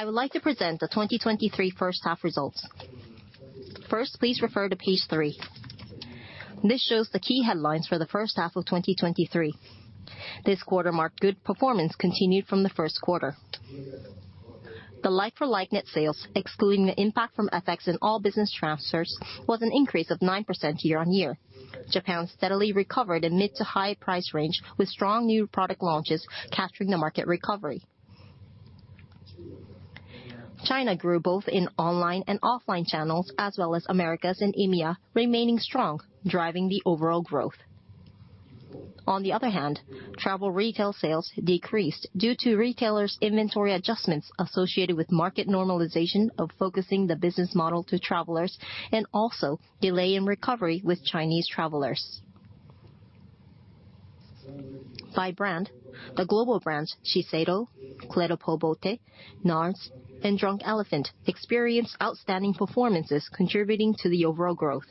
I would like to present the 2023 first half results. First, please refer to page three. This shows the key headlines for the first half of 2023. This quarter marked good performance continued from the first quarter. The like-for-like net sales, excluding the impact from FX in all business transfers, was an increase of 9% year-on-year. Japan steadily recovered a mid to high price range with strong new product launches capturing the market recovery. China grew both in online and offline channels, as well as Americas and EMEA remaining strong, driving the overall growth. On the other hand, travel retail sales decreased due to retailers' inventory adjustments associated with market normalization of focusing the business model to travelers, and also delay in recovery with Chinese travelers. By brand, the global brands, Shiseido, Clé de Peau Beauté, NARS, and Drunk Elephant, experienced outstanding performances contributing to the overall growth.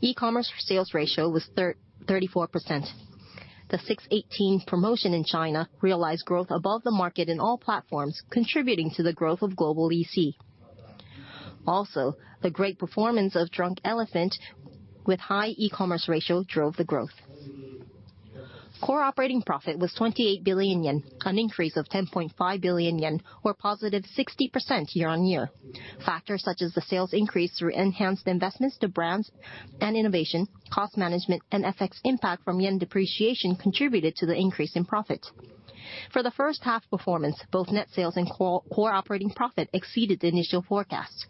e-commerce sales ratio was 34%. The 618 promotion in China realized growth above the market in all platforms, contributing to the growth of global EC. Also, the great performance of Drunk Elephant with high e-commerce ratio drove the growth. Core Operating Profit was 28 billion yen, an increase of 10.5 billion yen or positive 60% year-on-year. Factors such as the sales increase through enhanced investments to brands and innovation, cost management, and FX impact from yen depreciation contributed to the increase in profit. For the first half performance, both net sales and Core Operating Profit exceeded the initial forecast.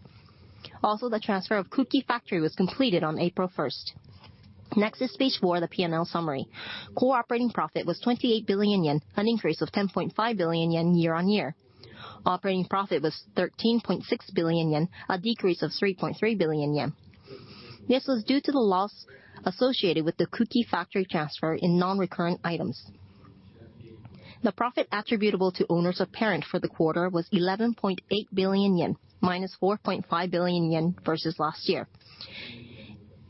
Also, the transfer of Kuki factory was completed on April 1st. Next is page four, the P&L summary. Core Operating Profit was 28 billion yen, an increase of 10.5 billion yen year-on-year. Operating profit was 13.6 billion yen, a decrease of 3.3 billion yen. This was due to the loss associated with the Kuki factory transfer in non-recurrent items. The profit attributable to owners of parent for the quarter was 11.8 billion yen, minus 4.5 billion yen versus last year.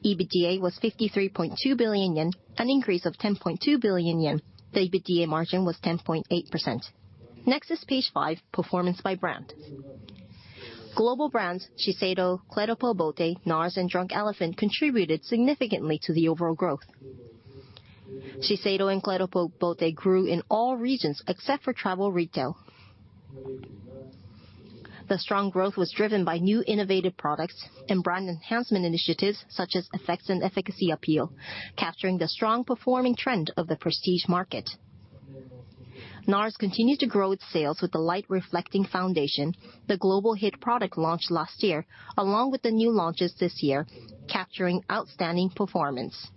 EBITDA was 53.2 billion yen, an increase of 10.2 billion yen. The EBITDA margin was 10.8%. Next is page five, performance by brand. Global brands Shiseido, Clé de Peau Beauté, NARS, and Drunk Elephant contributed significantly to the overall growth. Shiseido and Clé de Peau Beauté grew in all regions except for travel retail. The strong growth was driven by new innovative products and brand enhancement initiatives such as effects and efficacy appeal, capturing the strong performing trend of the prestige market. NARS continued to grow its sales with the Light Reflecting Foundation, the global hit product launched last year, along with the new launches this year, capturing outstanding performance.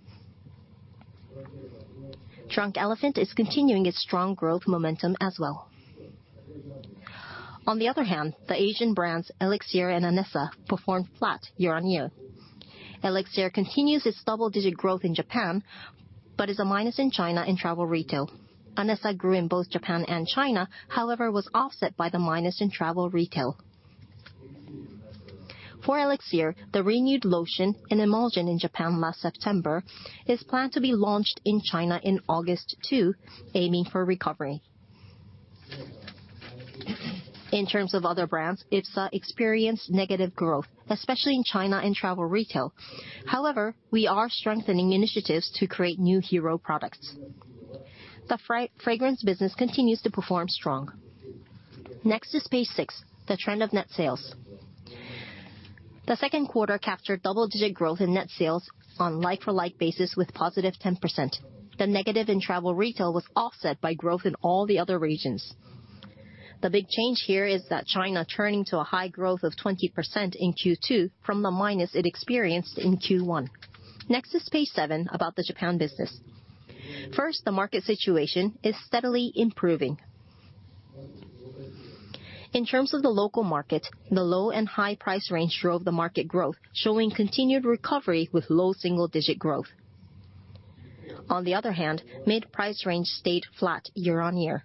Drunk Elephant is continuing its strong growth momentum as well. On the other hand, the Asian brands ELIXIR and ANESSA performed flat year-on-year. ELIXIR continues its double-digit growth in Japan, but is a minus in China and travel retail. ANESSA grew in both Japan and China, however, was offset by the minus in travel retail. For ELIXIR, the renewed lotion and emulsion in Japan last September is planned to be launched in China in August too, aiming for recovery. In terms of other brands, IPSA experienced negative growth, especially in China and travel retail. However, we are strengthening initiatives to create new hero products. The fragrance business continues to perform strong. Next is page six, the trend of net sales. The second quarter captured double-digit growth in net sales on like-for-like basis with positive 10%. The negative in travel retail was offset by growth in all the other regions. The big change here is that China turning to a high growth of 20% in Q2 from the minus it experienced in Q1. Next is page seven, about the Japan business. First, the market situation is steadily improving. In terms of the local market, the low and high price range drove the market growth, showing continued recovery with low single-digit growth. On the other hand, mid-price range stayed flat year-on-year.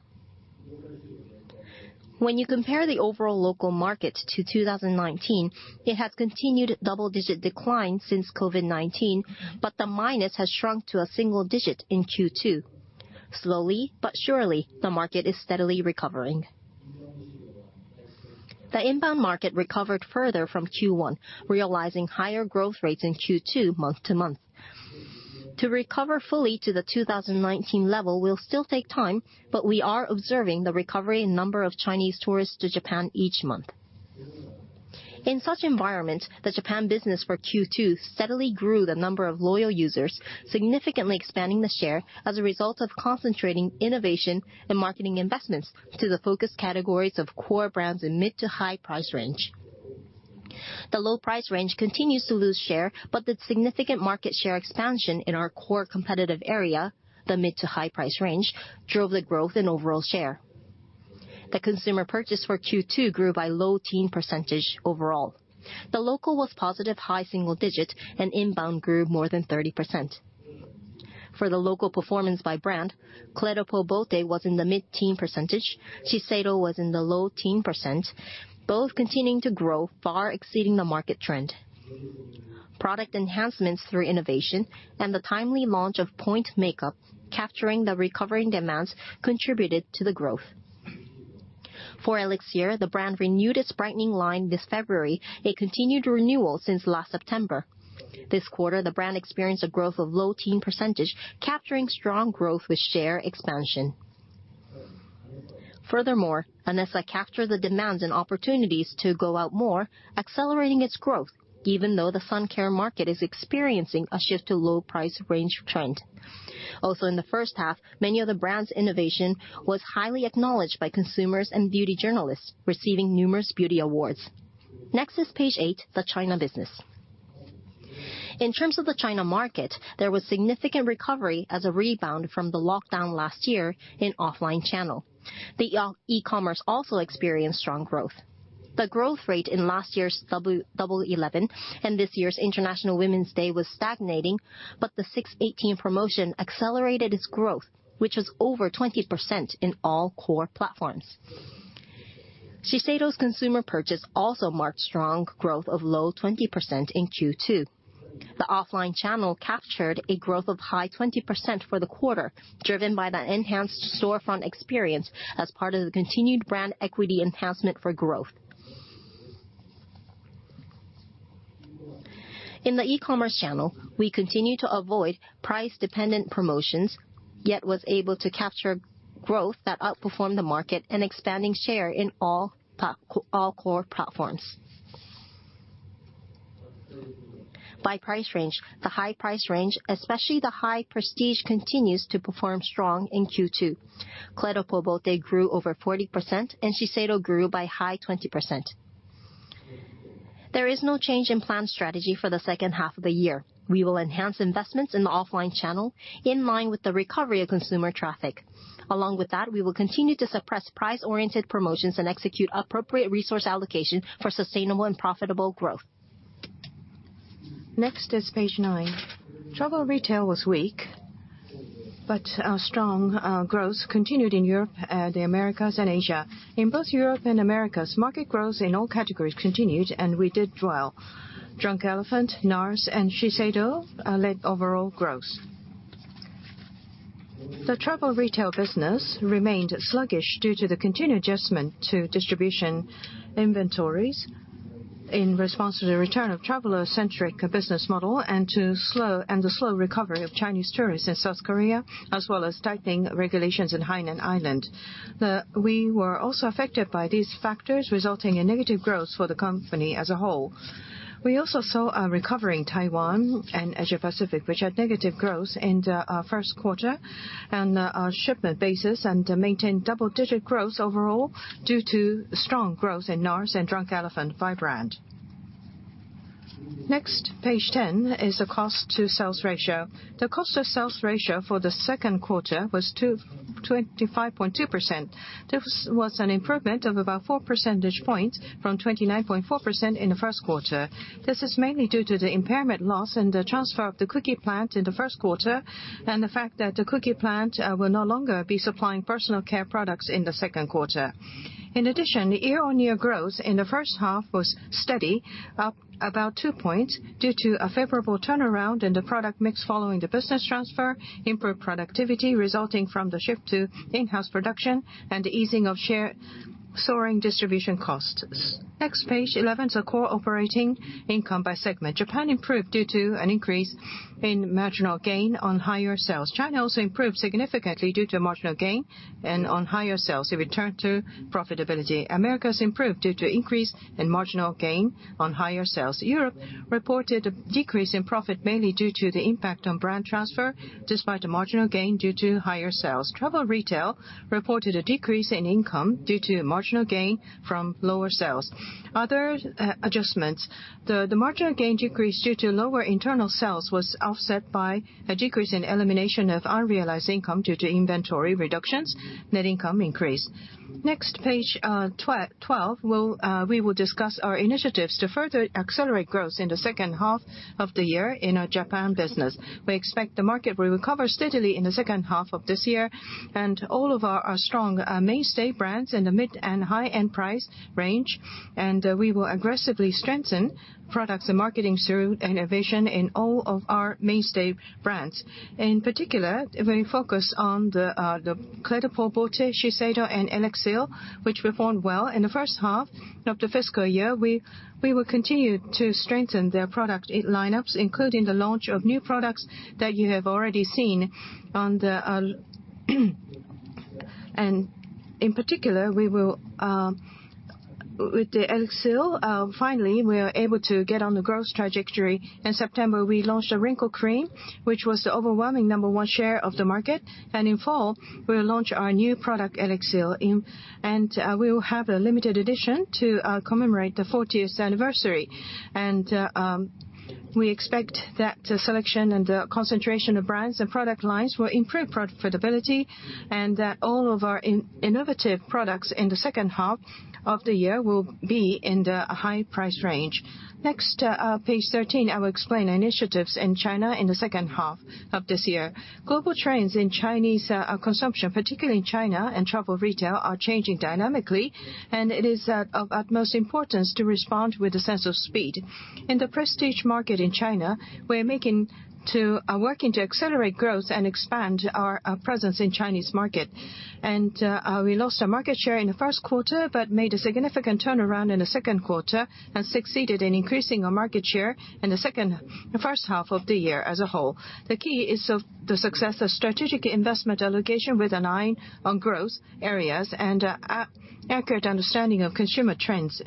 When you compare the overall local market to 2019, it had continued double-digit decline since COVID-19, but the minus has shrunk to a single digit in Q2. Slowly but surely, the market is steadily recovering. The inbound market recovered further from Q1, realizing higher growth rates in Q2 month-to-month. To recover fully to the 2019 level will still take time, but we are observing the recovery in number of Chinese tourists to Japan each month. In such environment, the Japan business for Q2 steadily grew the number of loyal users, significantly expanding the share as a result of concentrating innovation and marketing investments to the focus categories of core brands in mid to high price range. The low price range continues to lose share, but the significant market share expansion in our core competitive area, the mid to high price range, drove the growth in overall share. The consumer purchase for Q2 grew by low-teen percentage overall. The local was positive high-single-digit and inbound grew more than 30%. For the local performance by brand, Clé de Peau Beauté was in the mid-teen percentage, Shiseido was in the low-teen percent, both continuing to grow, far exceeding the market trend. Product enhancements through innovation and the timely launch of point makeup capturing the recovering demands contributed to the growth. For ELIXIR, the brand renewed its brightening line this February, a continued renewal since last September. This quarter, the brand experienced a growth of low-teen percentage, capturing strong growth with share expansion. Furthermore, ANESSA captured the demands and opportunities to go out more, accelerating its growth even though the sun care market is experiencing a shift to low price range trend. Also in the first half, many of the brand's innovation was highly acknowledged by consumers and beauty journalists, receiving numerous beauty awards. Next is page eight, the China business. In terms of the China market, there was significant recovery as a rebound from the lockdown last year in offline channel. The e-commerce also experienced strong growth. The growth rate in last year's Double 11 and this year's International Women's Day was stagnating, but the 618 promotion accelerated its growth, which was over 20% in all core platforms. Shiseido's consumer purchase also marked strong growth of low-20% in Q2. The offline channel captured a growth of high-20% for the quarter, driven by the enhanced storefront experience as part of the continued brand equity enhancement for growth. In the e-commerce channel, we continue to avoid price-dependent promotions, yet was able to capture growth that outperformed the market and expanding share in all core platforms. By price range, the high price range, especially the high prestige, continues to perform strong in Q2. Clé de Peau Beauté grew over 40% and Shiseido grew by high-20%. There is no change in plan strategy for the second half of the year. We will enhance investments in the offline channel in line with the recovery of consumer traffic. Along with that, we will continue to suppress price-oriented promotions and execute appropriate resource allocation for sustainable and profitable growth. Next is page nine. Travel retail was weak, but our strong growth continued in Europe, the Americas, and Asia. In both Europe and Americas, market growth in all categories continued, and we did well. Drunk Elephant, NARS, and Shiseido led overall growth. The travel retail business remained sluggish due to the continued adjustment to distribution inventories in response to the return of traveler-centric business model and the slow recovery of Chinese tourists in South Korea, as well as tightening regulations in Hainan Island. We were also affected by these factors, resulting in negative growth for the company as a whole. We also saw a recovery in Taiwan and Asia Pacific, which had negative growth in the first quarter on a shipment basis and maintained double-digit growth overall due to strong growth in NARS and Drunk Elephant by brand. Next, page 10 is the cost of sales ratio. The cost of sales ratio for the second quarter was 25.2%. This was an improvement of about four percentage points from 29.4% in the first quarter. This is mainly due to the impairment loss and the transfer of the Kuki plant in the first quarter, and the fact that the Kuki plant will no longer be supplying personal care products in the second quarter. In addition, the year-on-year growth in the first half was steady, up about two points due to a favorable turnaround in the product mix following the business transfer, improved productivity resulting from the shift to in-house production, and the easing of soaring distribution costs. Next, page 11 is our core operating income by segment. Japan improved due to an increase in marginal gain on higher sales. China also improved significantly due to marginal gain and on higher sales. It returned to profitability. Americas improved due to increase in marginal gain on higher sales. Europe reported a decrease in profit mainly due to the impact on brand transfer, despite a marginal gain due to higher sales. Travel retail reported a decrease in income due to marginal gain from lower sales. Other adjustments. The marginal gain decrease due to lower internal sales was offset by a decrease in elimination of unrealized income due to inventory reductions, net income increase. Next, page 12, we will discuss our initiatives to further accelerate growth in the second half of the year in our Japan business. We expect the market will recover steadily in the second half of this year and all of our strong mainstay brands in the mid and high-end price range, and we will aggressively strengthen products and marketing through innovation in all of our mainstay brands. In particular, we focus on the Clé de Peau Beauté, Shiseido, and ELIXIR, which performed well in the first half of the fiscal year. We will continue to strengthen their product lineups, including the launch of new products that you have already seen. In particular, with the ELIXIR, finally, we are able to get on the growth trajectory. In September, we launched a wrinkle cream, which was the overwhelming number one share of the market. In fall, we will launch our new product, ELIXIR, and we will have a limited edition to commemorate the 40th anniversary. We expect that selection and the concentration of brands and product lines will improve profitability and that all of our innovative products in the second half of the year will be in the high price range. Next, page 13, I will explain initiatives in China in the second half of this year. Global trends in Chinese consumption, particularly in China and travel retail, are changing dynamically, and it is of utmost importance to respond with a sense of speed. In the prestige market in China, we are working to accelerate growth and expand our presence in Chinese market. We lost our market share in the first quarter, but made a significant turnaround in the second quarter and succeeded in increasing our market share in the first half of the year as a whole. The key is the success of strategic investment allocation with an eye on growth areas and accurate understanding of consumer trends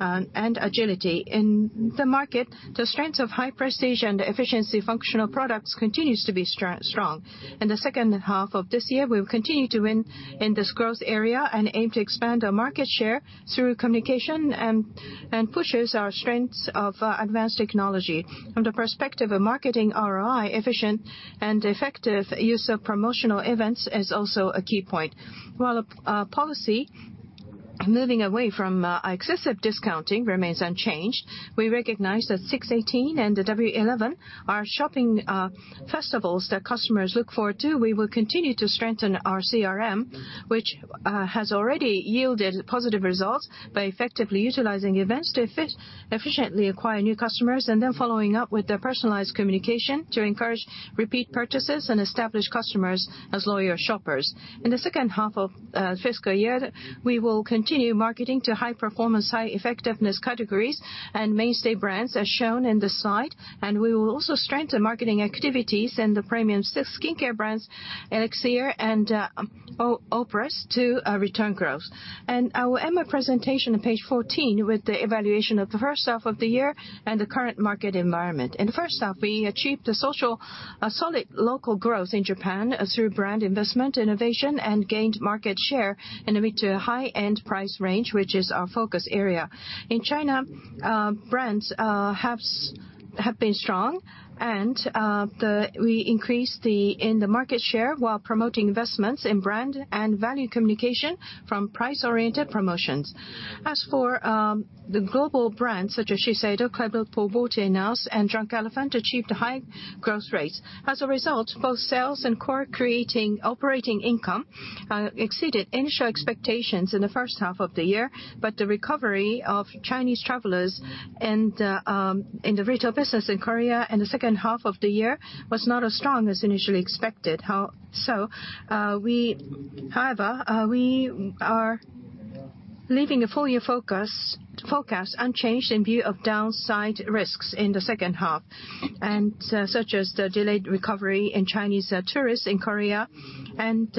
and agility. In the market, the strength of high prestige and efficiency functional products continues to be strong. In the second half of this year, we will continue to win in this growth area and aim to expand our market share through communication and pushes our strengths of advanced technology. From the perspective of marketing ROI, efficient and effective use of promotional events is also a key point. While policy moving away from excessive discounting remains unchanged. We recognize that 618 and 11.11 are shopping festivals that customers look forward to. We will continue to strengthen our CRM, which has already yielded positive results by effectively utilizing events to efficiently acquire new customers, following up with their personalized communication to encourage repeat purchases and establish customers as loyal shoppers. In the second half of the fiscal year, we will continue marketing to high-performance, high-effectiveness categories and mainstay brands as shown in this slide. We will also strengthen marketing activities in the premium skincare brands, ELIXIR and AUPRES to return growth. I will end my presentation on page 14 with the evaluation of the first half of the year and the current market environment. In the first half, we achieved a solid local growth in Japan through brand investment, innovation, and gained market share in the mid to high-end price range, which is our focus area. In China, brands have been strong, and we increased in the market share while promoting investments in brand and value communication from price-oriented promotions. As for the global brands such as Shiseido, Clé de Peau Beauté, NARS, and Drunk Elephant, achieved high growth rates. As a result, both sales and core operating income exceeded initial expectations in the first half of the year, but the recovery of Chinese travelers in the retail business in Korea in the second half of the year was not as strong as initially expected. However, we are leaving a full-year forecast unchanged in view of downside risks in the second half, such as the delayed recovery in Chinese tourists in Korea and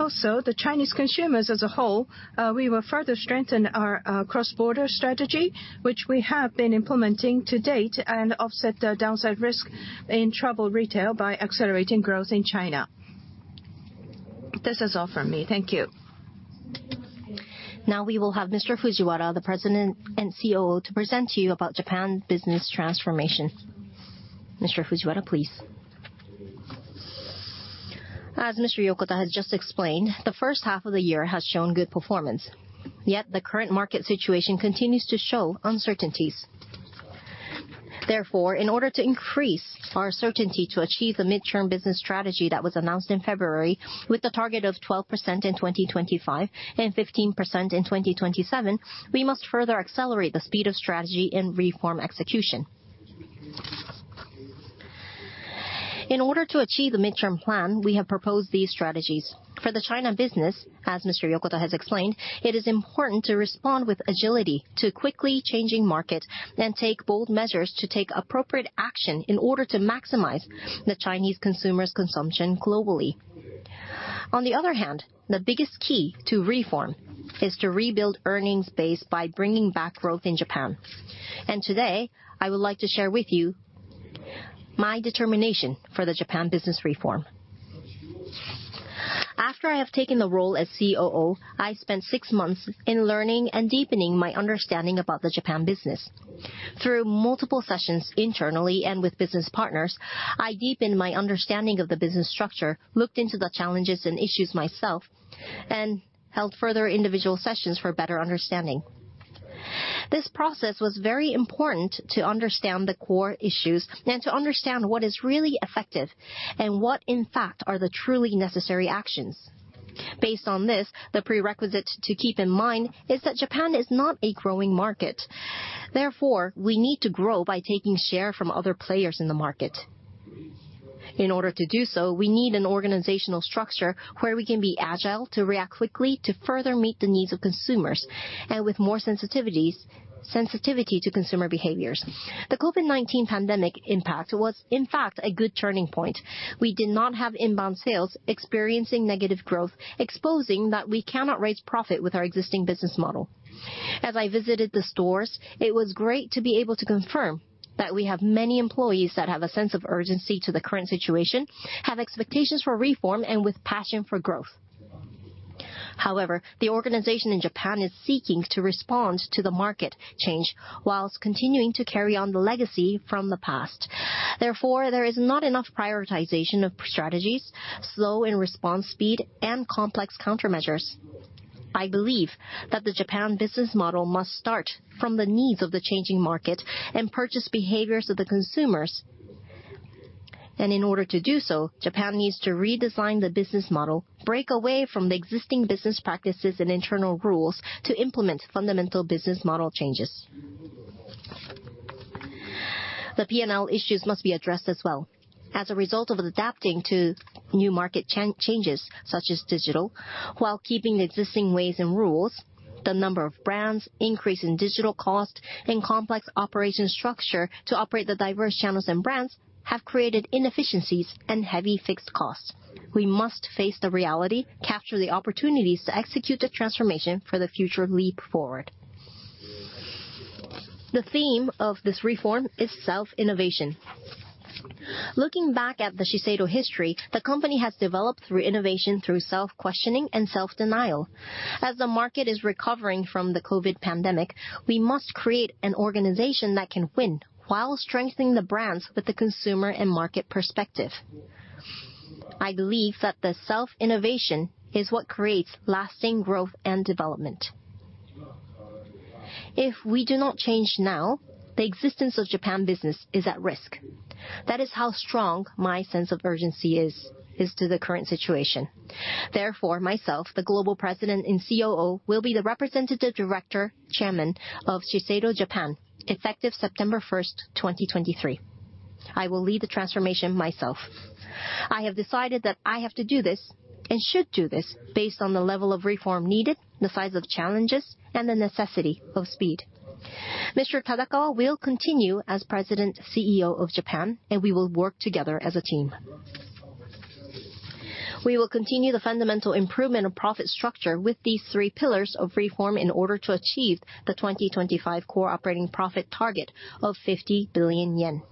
also the Chinese consumers as a whole. We will further strengthen our cross-border strategy, which we have been implementing to date, and offset the downside risk in travel retail by accelerating growth in China. This is all from me. Thank you. Now we will have Mr. Fujiwara, the President and COO, to present to you about Japan business transformation. Mr. Fujiwara, please. As Mr. Yokota has just explained, the first half of the year has shown good performance, yet the current market situation continues to show uncertainties. In order to increase our certainty to achieve the midterm business strategy that was announced in February with a target of 12% in 2025 and 15% in 2027, we must further accelerate the speed of strategy and reform execution. In order to achieve the midterm plan, we have proposed these strategies. For the China business, as Mr. Yokota has explained, it is important to respond with agility to a quickly changing market and take bold measures to take appropriate action in order to maximize the Chinese consumers' consumption globally. On the other hand, the biggest key to reform is to rebuild earnings base by bringing back growth in Japan. Today, I would like to share with you my determination for the Japan business reform. After I have taken the role as COO, I spent six months in learning and deepening my understanding about the Japan business. Through multiple sessions internally and with business partners, I deepened my understanding of the business structure, looked into the challenges and issues myself, and held further individual sessions for better understanding. This process was very important to understand the core issues and to understand what is really effective and what in fact are the truly necessary actions. Based on this, the prerequisite to keep in mind is that Japan is not a growing market. We need to grow by taking share from other players in the market. In order to do so, we need an organizational structure where we can be agile to react quickly to further meet the needs of consumers and with more sensitivity to consumer behaviors. The COVID-19 pandemic impact was in fact a good turning point. We did not have inbound sales, experiencing negative growth, exposing that we cannot raise profit with our existing business model. As I visited the stores, it was great to be able to confirm that we have many employees that have a sense of urgency to the current situation, have expectations for reform and with passion for growth. The organization in Japan is seeking to respond to the market change whilst continuing to carry on the legacy from the past. There is not enough prioritization of strategies, slow in response speed, and complex countermeasures. I believe that the Japan business model must start from the needs of the changing market and purchase behaviors of the consumers. In order to do so, Japan needs to redesign the business model, break away from the existing business practices and internal rules to implement fundamental business model changes. The P&L issues must be addressed as well. As a result of adapting to new market changes such as digital while keeping the existing ways and rules, the number of brands, increase in digital cost, and complex operation structure to operate the diverse channels and brands have created inefficiencies and heavy fixed costs. We must face the reality, capture the opportunities to execute the transformation for the future leap forward. The theme of this reform is self-innovation. Looking back at the Shiseido history, the company has developed through innovation through self-questioning and self-denial. As the market is recovering from the COVID pandemic, we must create an organization that can win while strengthening the brands with the consumer and market perspective. I believe that self-innovation is what creates lasting growth and development. If we do not change now, the existence of Japan business is at risk. That is how strong my sense of urgency is to the current situation. Therefore, myself, the Global President and COO, will be the representative director, chairman of Shiseido Japan, effective September 1st, 2023. I will lead the transformation myself. I have decided that I have to do this and should do this based on the level of reform needed, the size of challenges, and the necessity of speed. Mr. Tadakawa will continue as President, CEO of Japan, and we will work together as a team. We will continue the fundamental improvement of profit structure with these three pillars of reform in order to achieve the 2025 core operating profit target of 50 billion yen.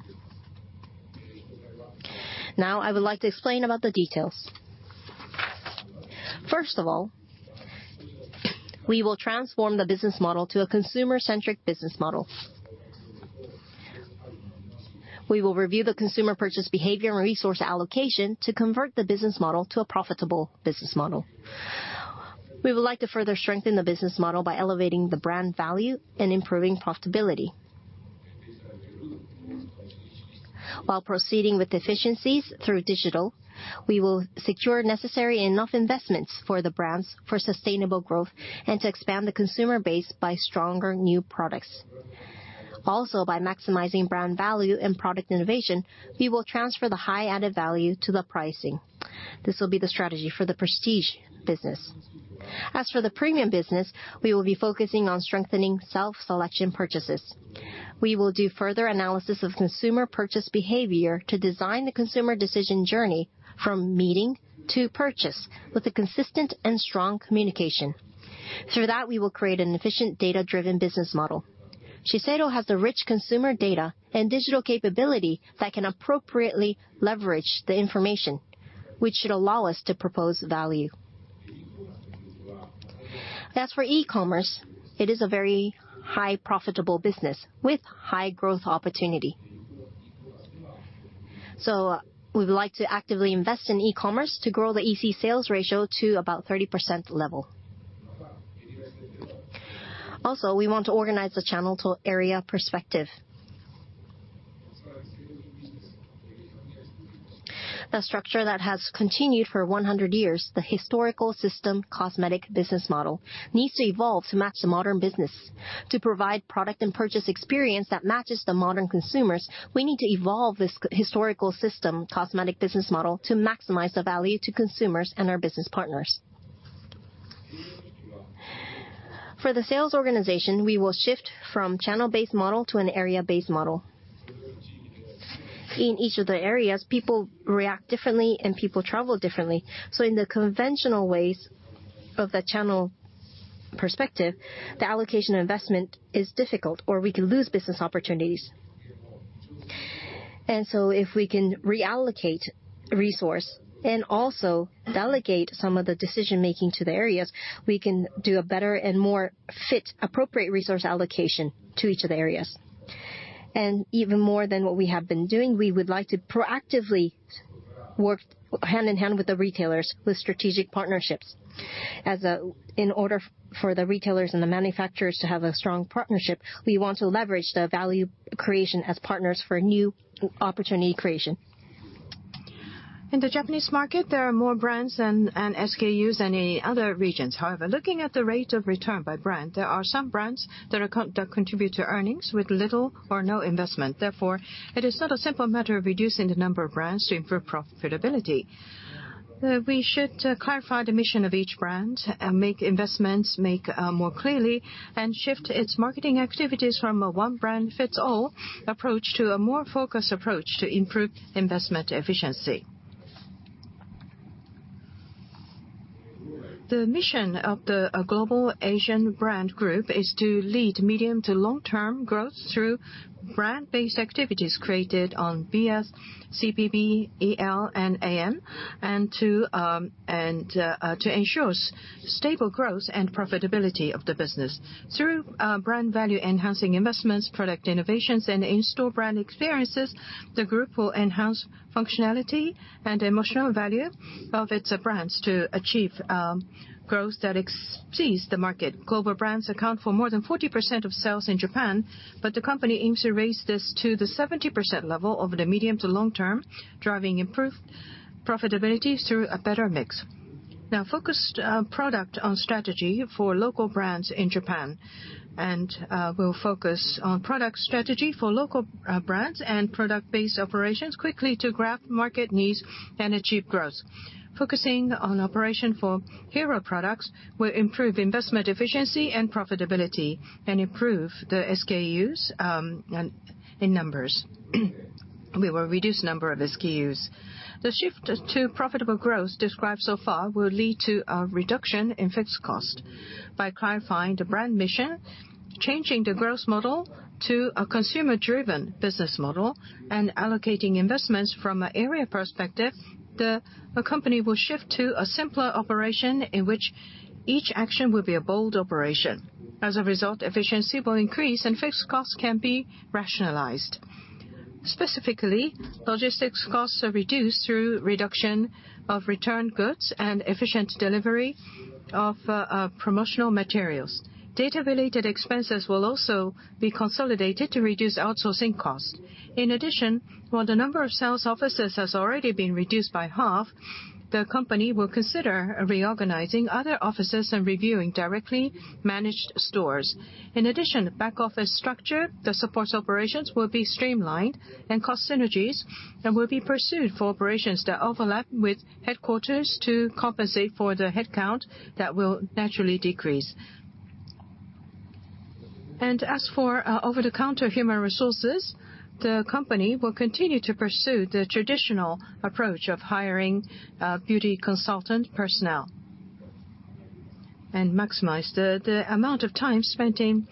I would like to explain about the details. We will transform the business model to a consumer-centric business model. We will review the consumer purchase behavior and resource allocation to convert the business model to a profitable business model. We would like to further strengthen the business model by elevating the brand value and improving profitability. While proceeding with efficiencies through digital, we will secure necessary enough investments for the brands for sustainable growth and to expand the consumer base by stronger new products. By maximizing brand value and product innovation, we will transfer the high added value to the pricing. This will be the strategy for the prestige business. As for the premium business, we will be focusing on strengthening self-selection purchases. We will do further analysis of consumer purchase behavior to design the consumer decision journey from meeting to purchase with a consistent and strong communication. Through that, we will create an efficient, data-driven business model. Shiseido has the rich consumer data and digital capability that can appropriately leverage the information, which should allow us to propose value. As for e-commerce, it is a very high profitable business with high growth opportunity. We would like to actively invest in e-commerce to grow the EC sales ratio to about 30% level. We want to organize the channel to area perspective. The structure that has continued for 100 years, the historical system cosmetic business model, needs to evolve to match the modern business. To provide product and purchase experience that matches the modern consumers, we need to evolve this historical system cosmetic business model to maximize the value to consumers and our business partners. For the sales organization, we will shift from channel-based model to an area-based model. In each of the areas, people react differently, and people travel differently. In the conventional ways of the channel perspective, the allocation of investment is difficult, or we can lose business opportunities. If we can reallocate resource and also delegate some of the decision-making to the areas, we can do a better and more fit, appropriate resource allocation to each of the areas. Even more than what we have been doing, we would like to proactively work hand-in-hand with the retailers with strategic partnerships. In order for the retailers and the manufacturers to have a strong partnership, we want to leverage the value creation as partners for new opportunity creation. In the Japanese market, there are more brands and SKUs than any other regions. However, looking at the rate of return by brand, there are some brands that contribute to earnings with little or no investment. Therefore, it is not a simple matter of reducing the number of brands to improve profitability. We should clarify the mission of each brand and make investments more clearly and shift its marketing activities from a one-brand-fits-all approach to a more focused approach to improve investment efficiency. The mission of the Global Asian Brand Group is to lead medium to long-term growth through brand-based activities created on Brand SHISEIDO, Clé de Peau Beauté, ELIXIR, and ANESSA, and to ensure stable growth and profitability of the business. Through brand value-enhancing investments, product innovations, and in-store brand experiences, the group will enhance functionality and emotional value of its brands to achieve growth that exceeds the market. Global brands account for more than 40% of sales in Japan, but the company aims to raise this to the 70% level over the medium to long term, driving improved profitability through a better mix. We'll focus on product strategy for local brands and product-based operations quickly to grab market needs and achieve growth. Focusing on operation for hero products will improve investment efficiency and profitability and improve the SKUs in numbers. We will reduce the number of SKUs. The shift to profitable growth described so far will lead to a reduction in fixed cost. By clarifying the brand mission, changing the growth model to a consumer-driven business model, and allocating investments from an area perspective, the company will shift to a simpler operation in which each action will be a bold operation. Result, efficiency will increase, and fixed costs can be rationalized. Specifically, logistics costs are reduced through reduction of return goods and efficient delivery of promotional materials. Data-related expenses will also be consolidated to reduce outsourcing costs. While the number of sales offices has already been reduced by half, the company will consider reorganizing other offices and reviewing directly managed stores. The back office structure that supports operations will be streamlined and cost synergies will be pursued for operations that overlap with headquarters to compensate for the headcount that will naturally decrease. As for over-the-counter human resources, the company will continue to pursue the traditional approach of hiring beauty consultant personnel and maximize the amount of time spent in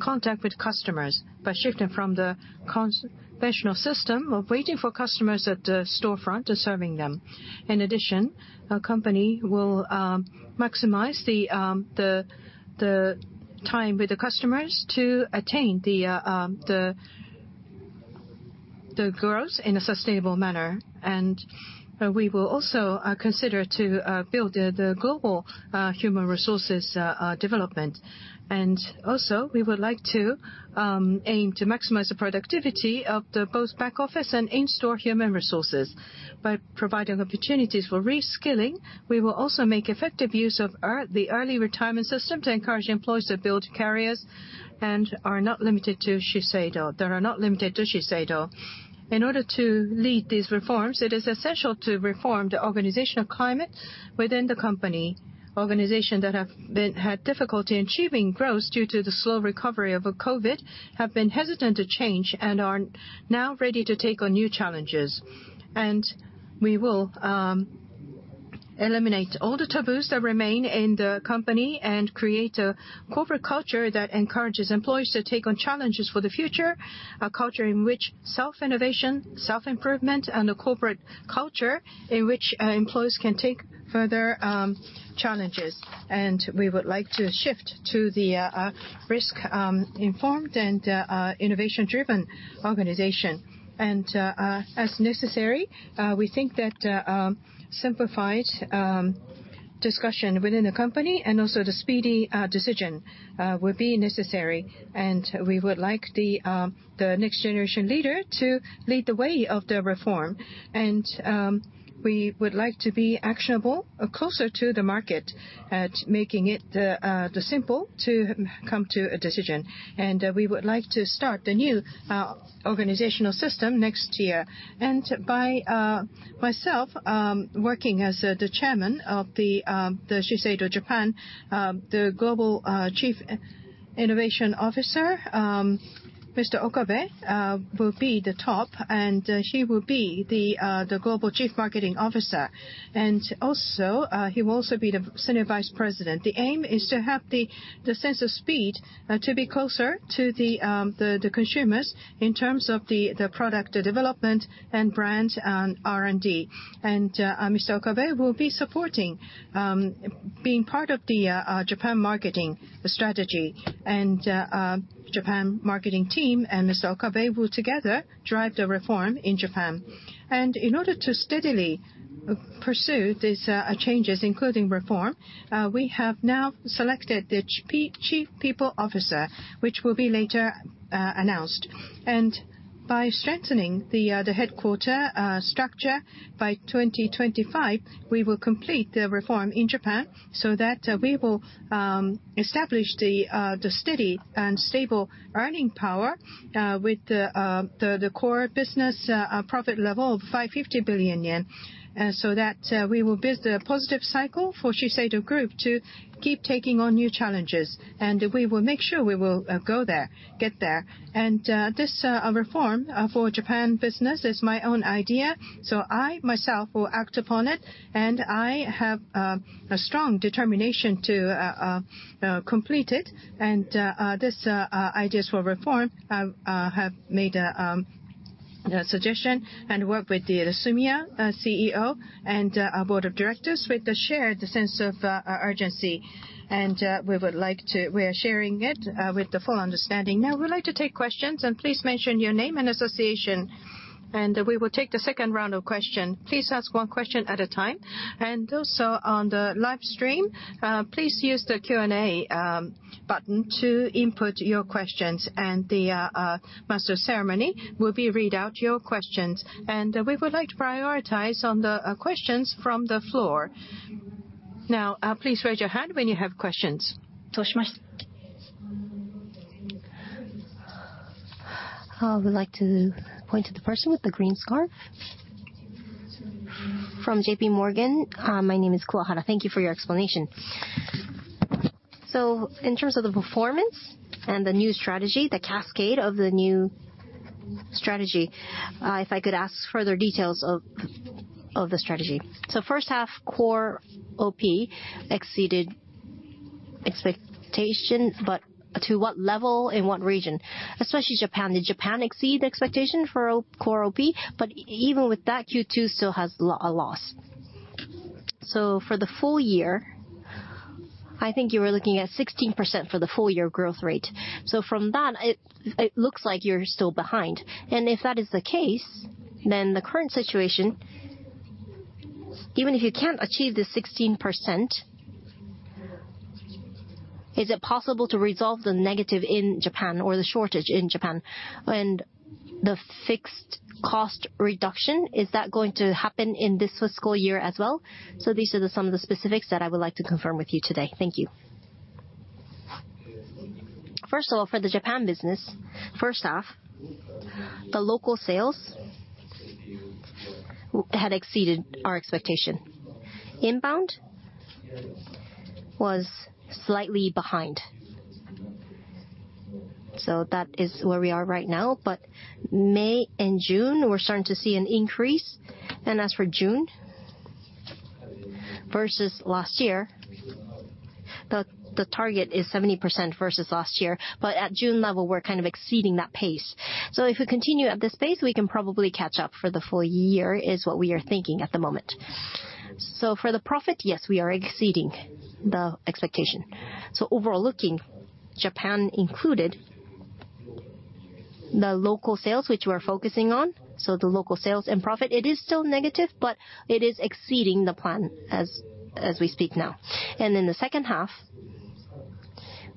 contact with customers by shifting from the conventional system of waiting for customers at the storefront to serving them. In addition, our company will maximize the time with the customers to attain the growth in a sustainable manner. We will also consider to build the global human resources development. We would like to aim to maximize the productivity of both back office and in-store human resources. By providing opportunities for reskilling, we will also make effective use of the early retirement system to encourage employees to build careers that are not limited to Shiseido. In order to lead these reforms, it is essential to reform the organizational climate within the company. Organizations that have had difficulty achieving growth due to the slow recovery of COVID have been hesitant to change and are now ready to take on new challenges. We will eliminate all the taboos that remain in the company and create a corporate culture that encourages employees to take on challenges for the future, a culture in which self-innovation, self-improvement, and a corporate culture in which employees can take further challenges. We would like to shift to the risk-informed and innovation-driven organization. As necessary, we think that simplified discussion within the company and also the speedy decision will be necessary. We would like the next generation leader to lead the way of the reform. We would like to be actionable, closer to the market at making it simple to come to a decision. We would like to start the new organizational system next year. By myself, working as the chairman of Shiseido Japan, the Global Chief Innovation Officer, Mr. Okabe, will be the top, and he will be the Global Chief Marketing Officer. He will also be the Senior Vice President. The aim is to have the sense of speed to be closer to the consumers in terms of the product development and brand and R&D. Mr. Okabe will be supporting being part of the Japan marketing strategy. Japan marketing team and Mr. Okabe will together drive the reform in Japan. In order to steadily pursue these changes, including reform, we have now selected the Chief People Officer, which will be later announced. By strengthening the headquarter structure, by 2025, we will complete the reform in Japan, so that we will establish the steady and stable earning power with the core business profit level of 550 billion yen, so that we will build a positive cycle for Shiseido Group to keep taking on new challenges. We will make sure we will go there, get there. This reform for Japan business is my own idea, so I, myself, will act upon it, and I have a strong determination to complete it. These ideas for reform, I have made a suggestion and worked with the Sumiya CEO and our board of directors with the shared sense of urgency. We are sharing it with the full understanding. Now, we would like to take questions, and please mention your name and association. We will take the second round of questions. Please ask one question at a time. Also on the live stream, please use the Q&A button to input your questions and the master of ceremony will read out your questions. We would like to prioritize on the questions from the floor. Please raise your hand when you have questions. I would like to point to the person with the green scarf. From JPMorgan. My name is Kuwahara. Thank you for your explanation. In terms of the performance and the new strategy, the cascade of the new strategy, if I could ask further details of the strategy. First half core OP exceeded expectations, but to what level, in what region? Especially Japan. Did Japan exceed expectation for core OP? Even with that, Q2 still has a loss. For the full year I think you were looking at 16% for the full-year growth rate. From that, it looks like you're still behind. If that is the case, then the current situation, even if you can't achieve the 16%, is it possible to resolve the negative in Japan or the shortage in Japan? The fixed cost reduction, is that going to happen in this fiscal year as well? These are some of the specifics that I would like to confirm with you today. Thank you. First of all, for the Japan business, first half, the local sales had exceeded our expectation. Inbound was slightly behind. That is where we are right now. May and June, we're starting to see an increase. As for June versus last year, the target is 70% versus last year. At June level, we're kind of exceeding that pace. If we continue at this pace, we can probably catch up for the full year, is what we are thinking at the moment. For the profit, yes, we are exceeding the expectation. Overall, looking, Japan included, the local sales, which we're focusing on, the local sales and profit, it is still negative, but it is exceeding the plan as we speak now. In the second half,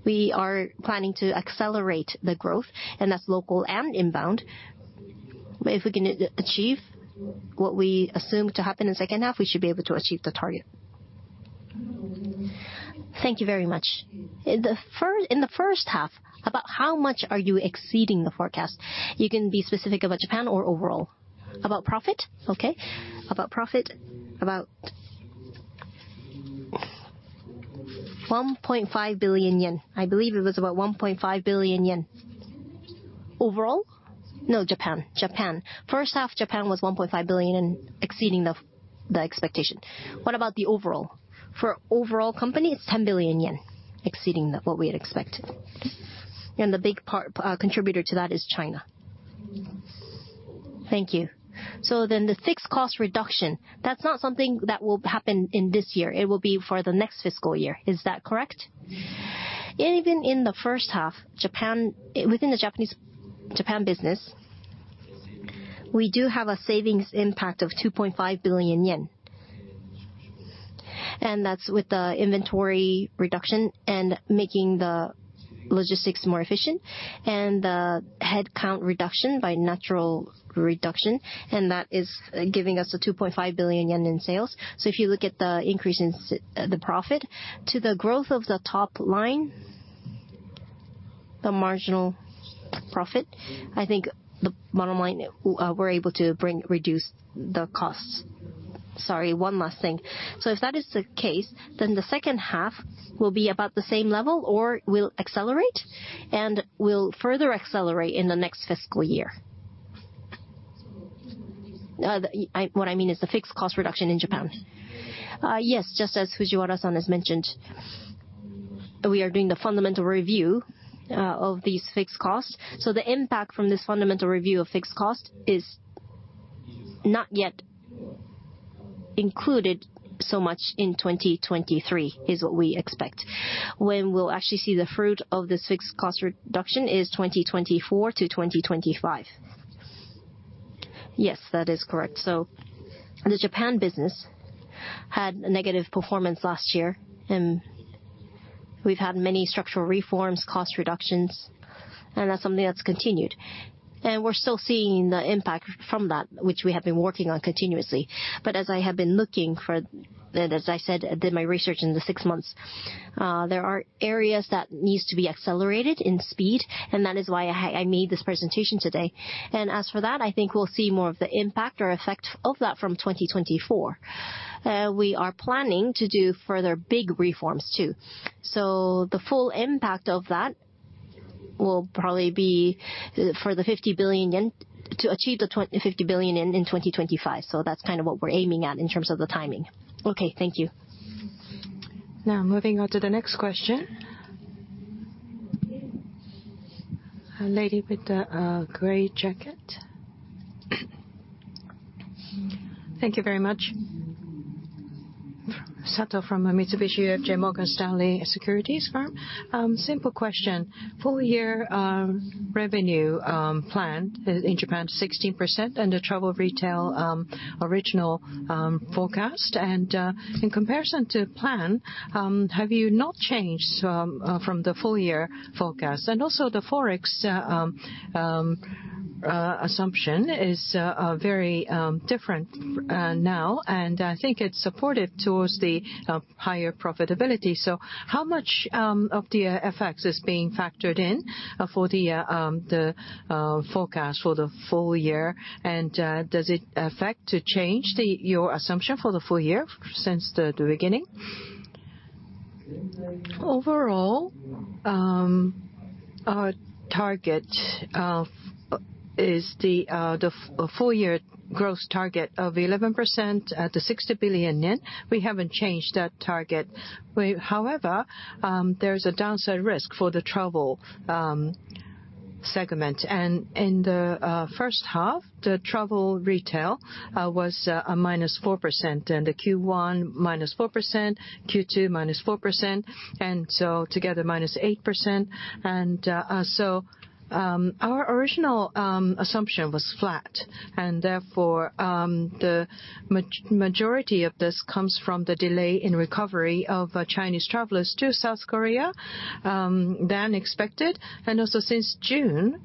we are planning to accelerate the growth, and that's local and inbound. If we can achieve what we assume to happen in second half, we should be able to achieve the target. Thank you very much. In the first half, about how much are you exceeding the forecast? You can be specific about Japan or overall. About profit? Okay. About profit, about 1.5 billion yen. I believe it was about 1.5 billion yen. Overall? No, Japan. Japan. First half Japan was 1.5 billion, exceeding the expectation. What about the overall? For overall company, it's 10 billion yen, exceeding what we had expected. The big contributor to that is China. Thank you. The fixed cost reduction, that's not something that will happen in this year. It will be for the next fiscal year. Is that correct? Even in the first half, within the Japan business, we do have a savings impact of 2.5 billion yen. That's with the inventory reduction and making the logistics more efficient and the headcount reduction by natural reduction. That is giving us a 2.5 billion yen in sales. If you look at the increase in the profit to the growth of the top line, the marginal profit, I think the bottom line, we're able to reduce the costs. Sorry, one last thing. If that is the case, then the second half will be about the same level or will accelerate and will further accelerate in the next fiscal year? What I mean is the fixed cost reduction in Japan. Yes, just as Fujiwara-san has mentioned, we are doing the fundamental review of these fixed costs. The impact from this fundamental review of fixed cost is not yet included so much in 2023, is what we expect. When we'll actually see the fruit of this fixed cost reduction is 2024-2025. Yes, that is correct. The Japan business had a negative performance last year, we've had many structural reforms, cost reductions, that's something that's continued. We're still seeing the impact from that, which we have been working on continuously. As I have been looking for, as I said, I did my research in the six months, there are areas that needs to be accelerated in speed, that is why I made this presentation today. As for that, I think we'll see more of the impact or effect of that from 2024. We are planning to do further big reforms, too. The full impact of that will probably be to achieve the 50 billion yen in 2025. That's kind of what we're aiming at in terms of the timing. Okay, thank you. Now moving on to the next question. Lady with the gray jacket. Thank you very much. Sato from Mitsubishi UFJ Morgan Stanley Securities. Simple question. Full year revenue plan in Japan is 16% and the travel retail original forecast. In comparison to plan, have you not changed from the full year forecast? Also the Forex assumption is very different now, I think it's supportive towards the higher profitability. How much of the FX is being factored in for the forecast for the full year? Does it affect to change your assumption for the full year since the beginning? Overall, our target is the full-year growth target of 11% at 60 billion yen. We haven't changed that target. There is a downside risk for the travel segment. In the first half, the travel retail was a -4%, Q1 -4%, Q2 -4%, together -8%. Our original assumption was flat, therefore, the majority of this comes from the delay in recovery of Chinese travelers to South Korea than expected. Also since June,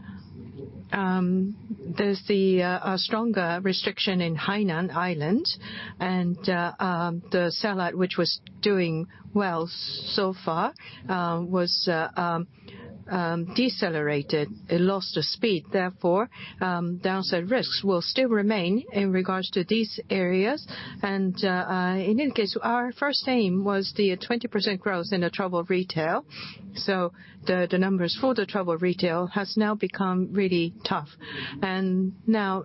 there's the stronger restriction in Hainan Island. The sellout, which was doing well so far, decelerated. It lost speed. Therefore, downside risks will still remain in regards to these areas. In any case, our first aim was the 20% growth in travel retail. The numbers for travel retail have now become really tough. Now,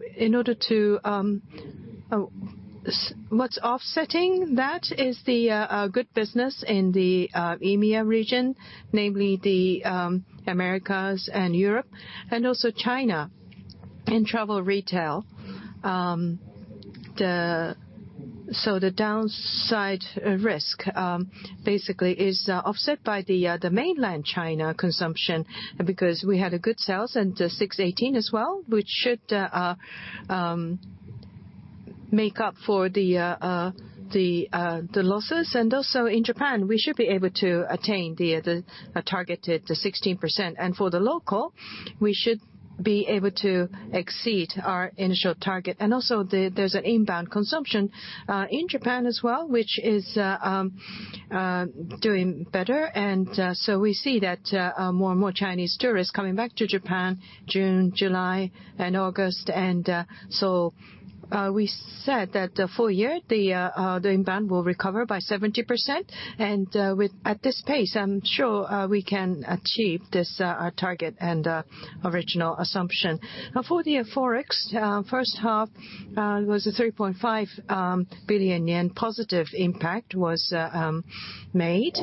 what's offsetting that is the good business in the EMEA region, namely the Americas and Europe, and also China in travel retail. The downside risk basically is offset by mainland China consumption because we had good sales in the 618 as well, which should make up for the losses. Also in Japan, we should be able to attain the targeted 16%. For the local, we should be able to exceed our initial target. Also, there's inbound consumption in Japan as well, which is doing better. We see more and more Chinese tourists coming back to Japan June, July, and August. We said that the full year, the inbound will recover by 70%. At this pace, I'm sure we can achieve this target and original assumption. For the ForEx, first half, it was a 3.5 billion yen positive impact was made.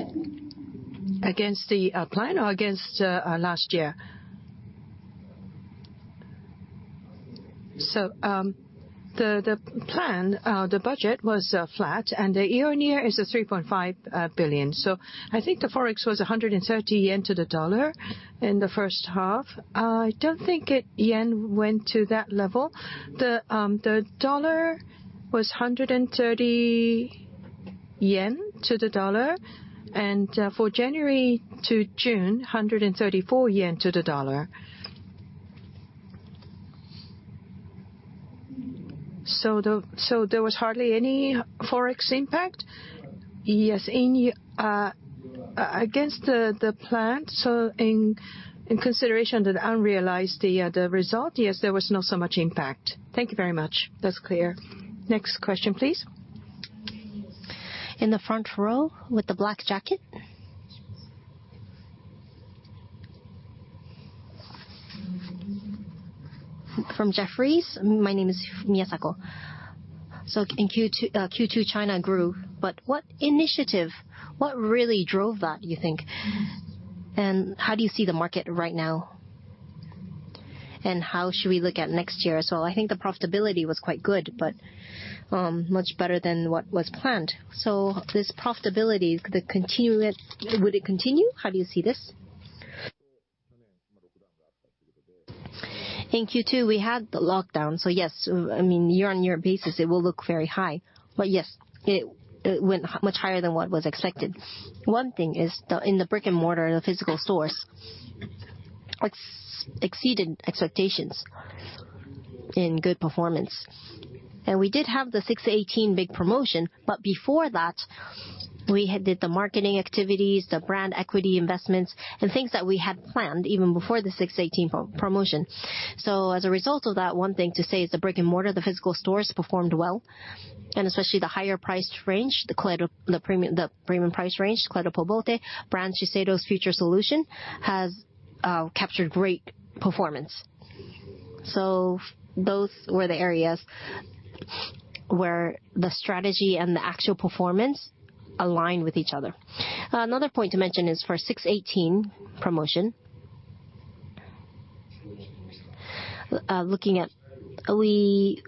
Against the plan or against last year? The plan, the budget was flat, and the year-on-year is 3.5 billion. I think the ForEx was 130 yen to the dollar in the first half. I don't think the yen went to that level. The dollar was 130 yen to the dollar. For January to June, 134 yen to the dollar. There was hardly any ForEx impact? Yes. Against the plan, so in consideration of the unrealized result, yes, there was not so much impact. Thank you very much. That's clear. Next question, please. In the front row with the black jacket. From Jefferies. My name is Mitsuko. In Q2, China grew, what initiative, what really drove that, do you think? How do you see the market right now? How should we look at next year? I think the profitability was quite good, much better than what was planned. This profitability, would it continue? How do you see this? In Q2, we had the lockdown. Yes, year-on-year basis, it will look very high. Yes, it went much higher than what was expected. One thing is in the brick-and-mortar, the physical stores, exceeded expectations in good performance. We did have the 618 big promotion. Before that, we did the marketing activities, the brand equity investments, and things that we had planned even before the 618 promotion. As a result of that, one thing to say is the brick-and-mortar, the physical stores, performed well. Especially the higher price range, the premium price range, Clé de Peau Beauté brand, Shiseido's Future Solution, has captured great performance. Those were the areas where the strategy and the actual performance align with each other. Another point to mention is for 618 promotion. We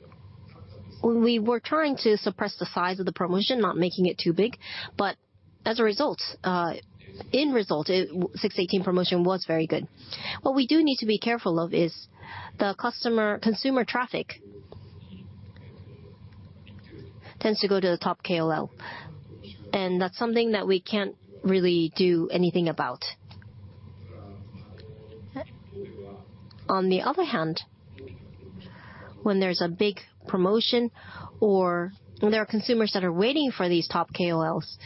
were trying to suppress the size of the promotion, not making it too big. As a result, end result, 618 promotion was very good. What we do need to be careful of is the consumer traffic tends to go to the top KOL. That's something that we can't really do anything about. On the other hand, when there's a big promotion or there are consumers that are waiting for these top KOLs.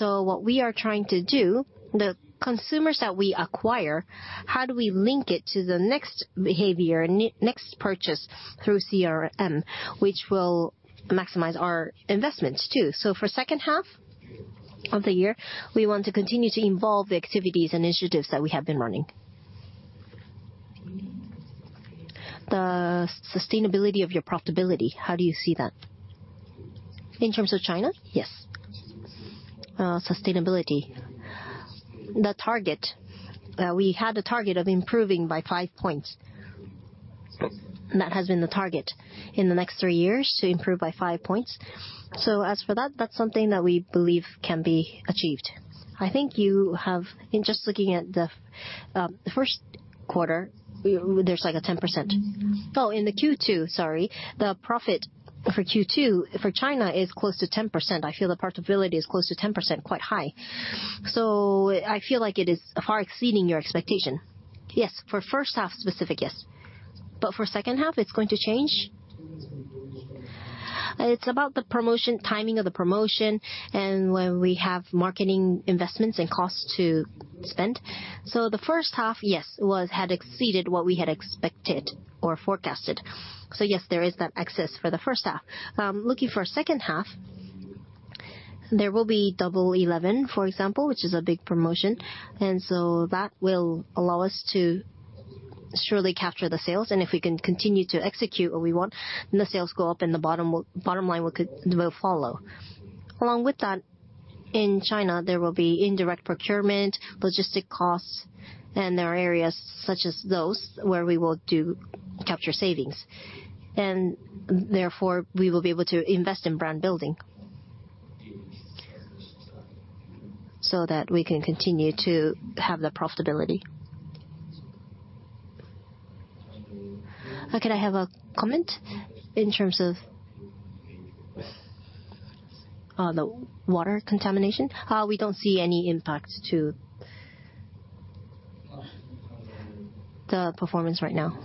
What we are trying to do, the consumers that we acquire, how do we link it to the next behavior, next purchase through CRM, which will maximize our investments too? For the second half of the year, we want to continue to involve the activities initiatives that we have been running. The sustainability of your profitability, how do you see that? In terms of China? Yes. Sustainability. The target. We had a target of improving by 5 points. That has been the target in the next 3 years, to improve by 5 points. As for that's something that we believe can be achieved. I think you have, in just looking at the first quarter, there's like a 10%. In the Q2, sorry. The profit for Q2, for China, is close to 10%. I feel the profitability is close to 10%, quite high. I feel like it is far exceeding your expectation. Yes. For first half specific, yes. For second half, it's going to change. It's about the timing of the promotion and when we have marketing investments and costs to spend. The first half, yes, had exceeded what we had expected or forecasted. yes, there is that excess for the first half. Looking for second half, there will be Double Eleven, for example, which is a big promotion, that will allow us to surely capture the sales. If we can continue to execute what we want, then the sales go up and the bottom line will follow. Along with that, in China, there will be indirect procurement, logistic costs, there are areas such as those where we will do capture savings. Therefore, we will be able to invest in brand building so that we can continue to have the profitability. Can I have a comment in terms of the water contamination? We don't see any impact to the performance right now.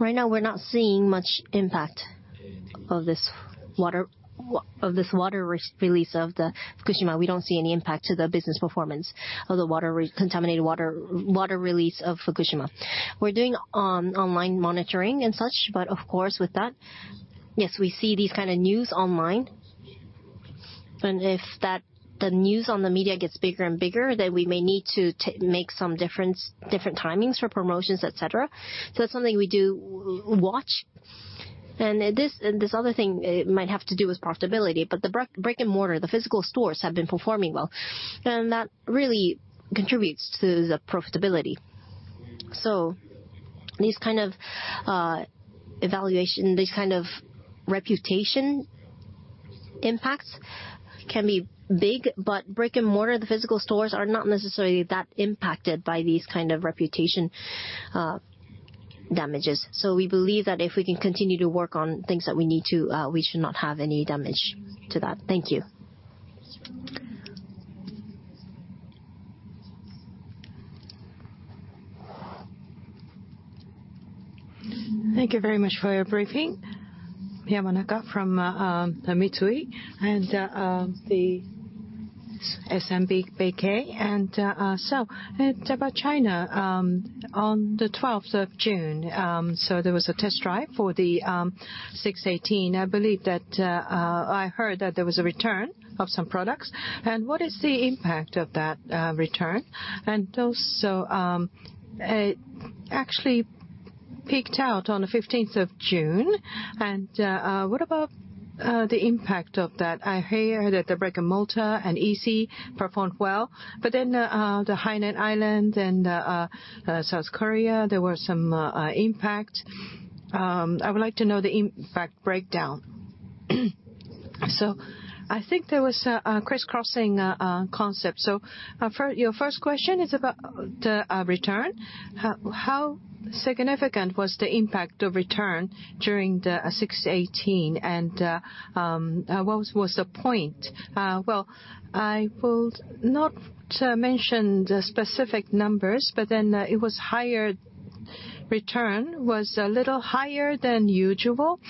Right now we're not seeing much impact of this water release of Fukushima. We don't see any impact to the business performance of the contaminated water release of Fukushima. We're doing online monitoring and such, of course, with that, yes, we see these kind of news online. If the news on the media gets bigger and bigger, then we may need to make some different timings for promotions, et cetera. It's something we do watch. This other thing might have to do with profitability, the brick and mortar, the physical stores, have been performing well. That really contributes to the profitability. These kind of evaluation, these kind of reputation impacts can be big, brick and mortar, the physical stores, are not necessarily that impacted by these kind of reputation damages. We believe that if we can continue to work on things that we need to, we should not have any damage to that. Thank you. Thank you very much for your briefing. Shima from Mitsui and the SMBC. About China, on the 12th of June, there was a test drive for the 618. I believe that I heard that there was a return of some products, what is the impact of that return? Also, it actually peaked out on the 15th of June. What about the impact of that? I hear that the brick and mortar and EC performed well, the Hainan Island and South Korea, there were some impact. I would like to know the impact breakdown. I think there was a crisscrossing concept. Your first question is about the return. How significant was the impact of return during the 618, and what was the point? I will not mention the specific numbers, it was higher. Return was a little higher than usual.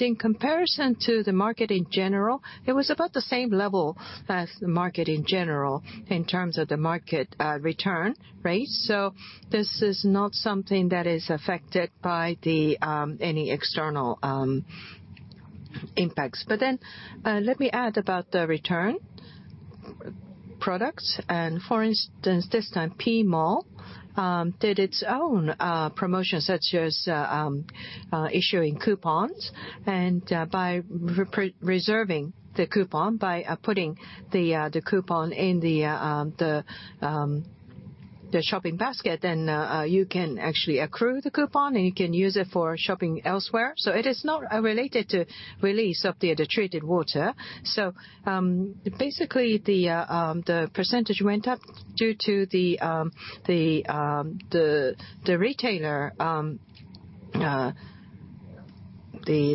In comparison to the market in general, it was about the same level as the market in general in terms of the market return rate. This is not something that is affected by any external impacts. Let me add about the return products. For instance, this time Tmall did its own promotion, such as issuing coupons. By reserving the coupon, by putting the coupon in the shopping basket, you can actually accrue the coupon, and you can use it for shopping elsewhere. It is not related to release of the treated water. The percentage went up due to the retailer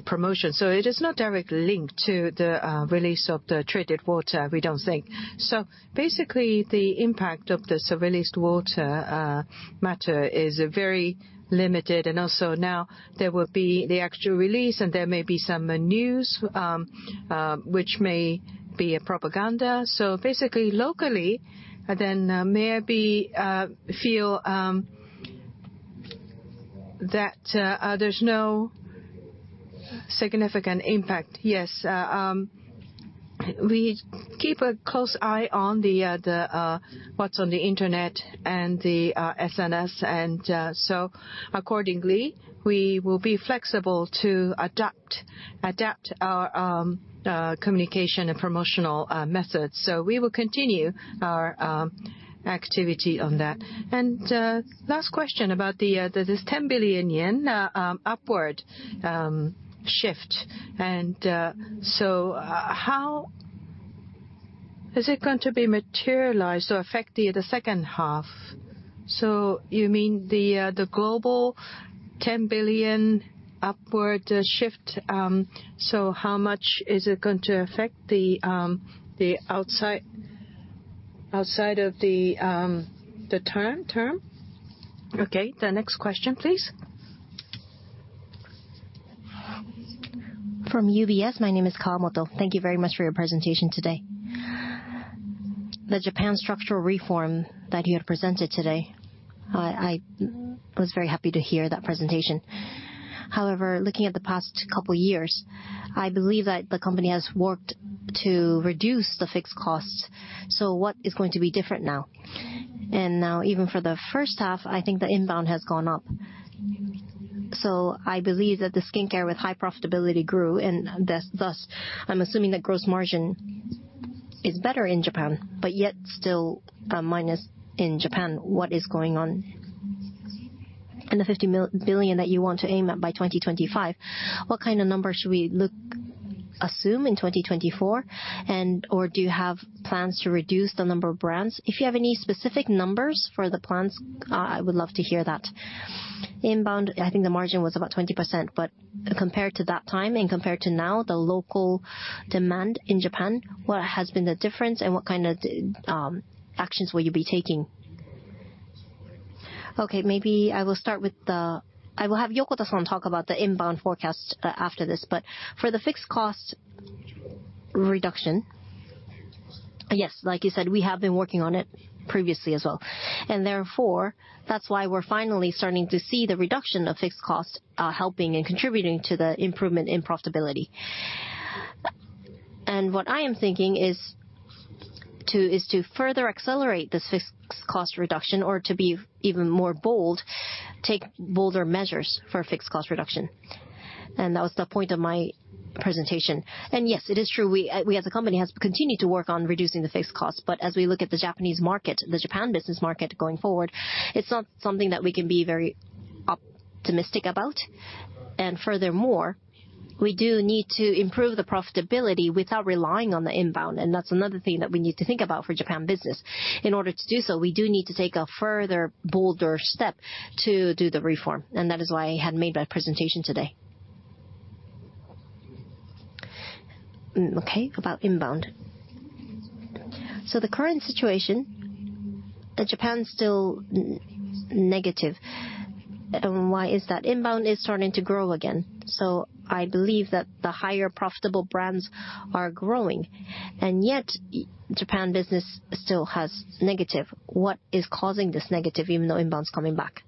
promotion. It is not directly linked to the release of the treated water, we don't think. The impact of this released water matter is very limited. Now there will be the actual release, and there may be some news which may be propaganda. Locally, maybe feel That there's no significant impact. Yes. We keep a close eye on what's on the internet and the SNS, accordingly, we will be flexible to adapt our communication and promotional methods. We will continue our activity on that. Last question about this 10 billion yen upward shift. How is it going to be materialized or affect the second half? You mean the global 10 billion upward shift, how much is it going to affect the outside of the term? Okay. The next question, please. From UBS. My name is Hisae. Thank you very much for your presentation today. The Japan structural reform that you had presented today, I was very happy to hear that presentation. Looking at the past couple years, I believe that the company has worked to reduce the fixed costs. What is going to be different now? Now even for the first half, I think the inbound has gone up. I believe that the skincare with high profitability grew, and thus, I'm assuming the gross margin is better in Japan, yet still a minus in Japan. What is going on? The 50 billion that you want to aim at by 2025, what kind of numbers should we assume in 2024? Or do you have plans to reduce the number of brands? If you have any specific numbers for the plans, I would love to hear that. Inbound, I think the margin was about 20%, but compared to that time and compared to now, the local demand in Japan, what has been the difference and what kind of actions will you be taking? I will have Yokota-san talk about the inbound forecast after this. For the fixed cost reduction, yes, like you said, we have been working on it previously as well. Therefore, that's why we're finally starting to see the reduction of fixed costs helping and contributing to the improvement in profitability. What I am thinking is to further accelerate this fixed cost reduction or, to be even more bold, take bolder measures for fixed cost reduction. That was the point of my presentation. Yes, it is true, we as a company have continued to work on reducing the fixed costs. As we look at the Japanese market, the Japan business market going forward, it's not something that we can be very optimistic about. Furthermore, we do need to improve the profitability without relying on the inbound, and that's another thing that we need to think about for Japan business. In order to do so, we do need to take a further bolder step to do the reform, and that is why I had made my presentation today. About inbound. The current situation, Japan's still negative. Why is that? Inbound is starting to grow again. I believe that the higher profitable brands are growing, and yet Japan business still has negative. What is causing this negative even though inbound's coming back?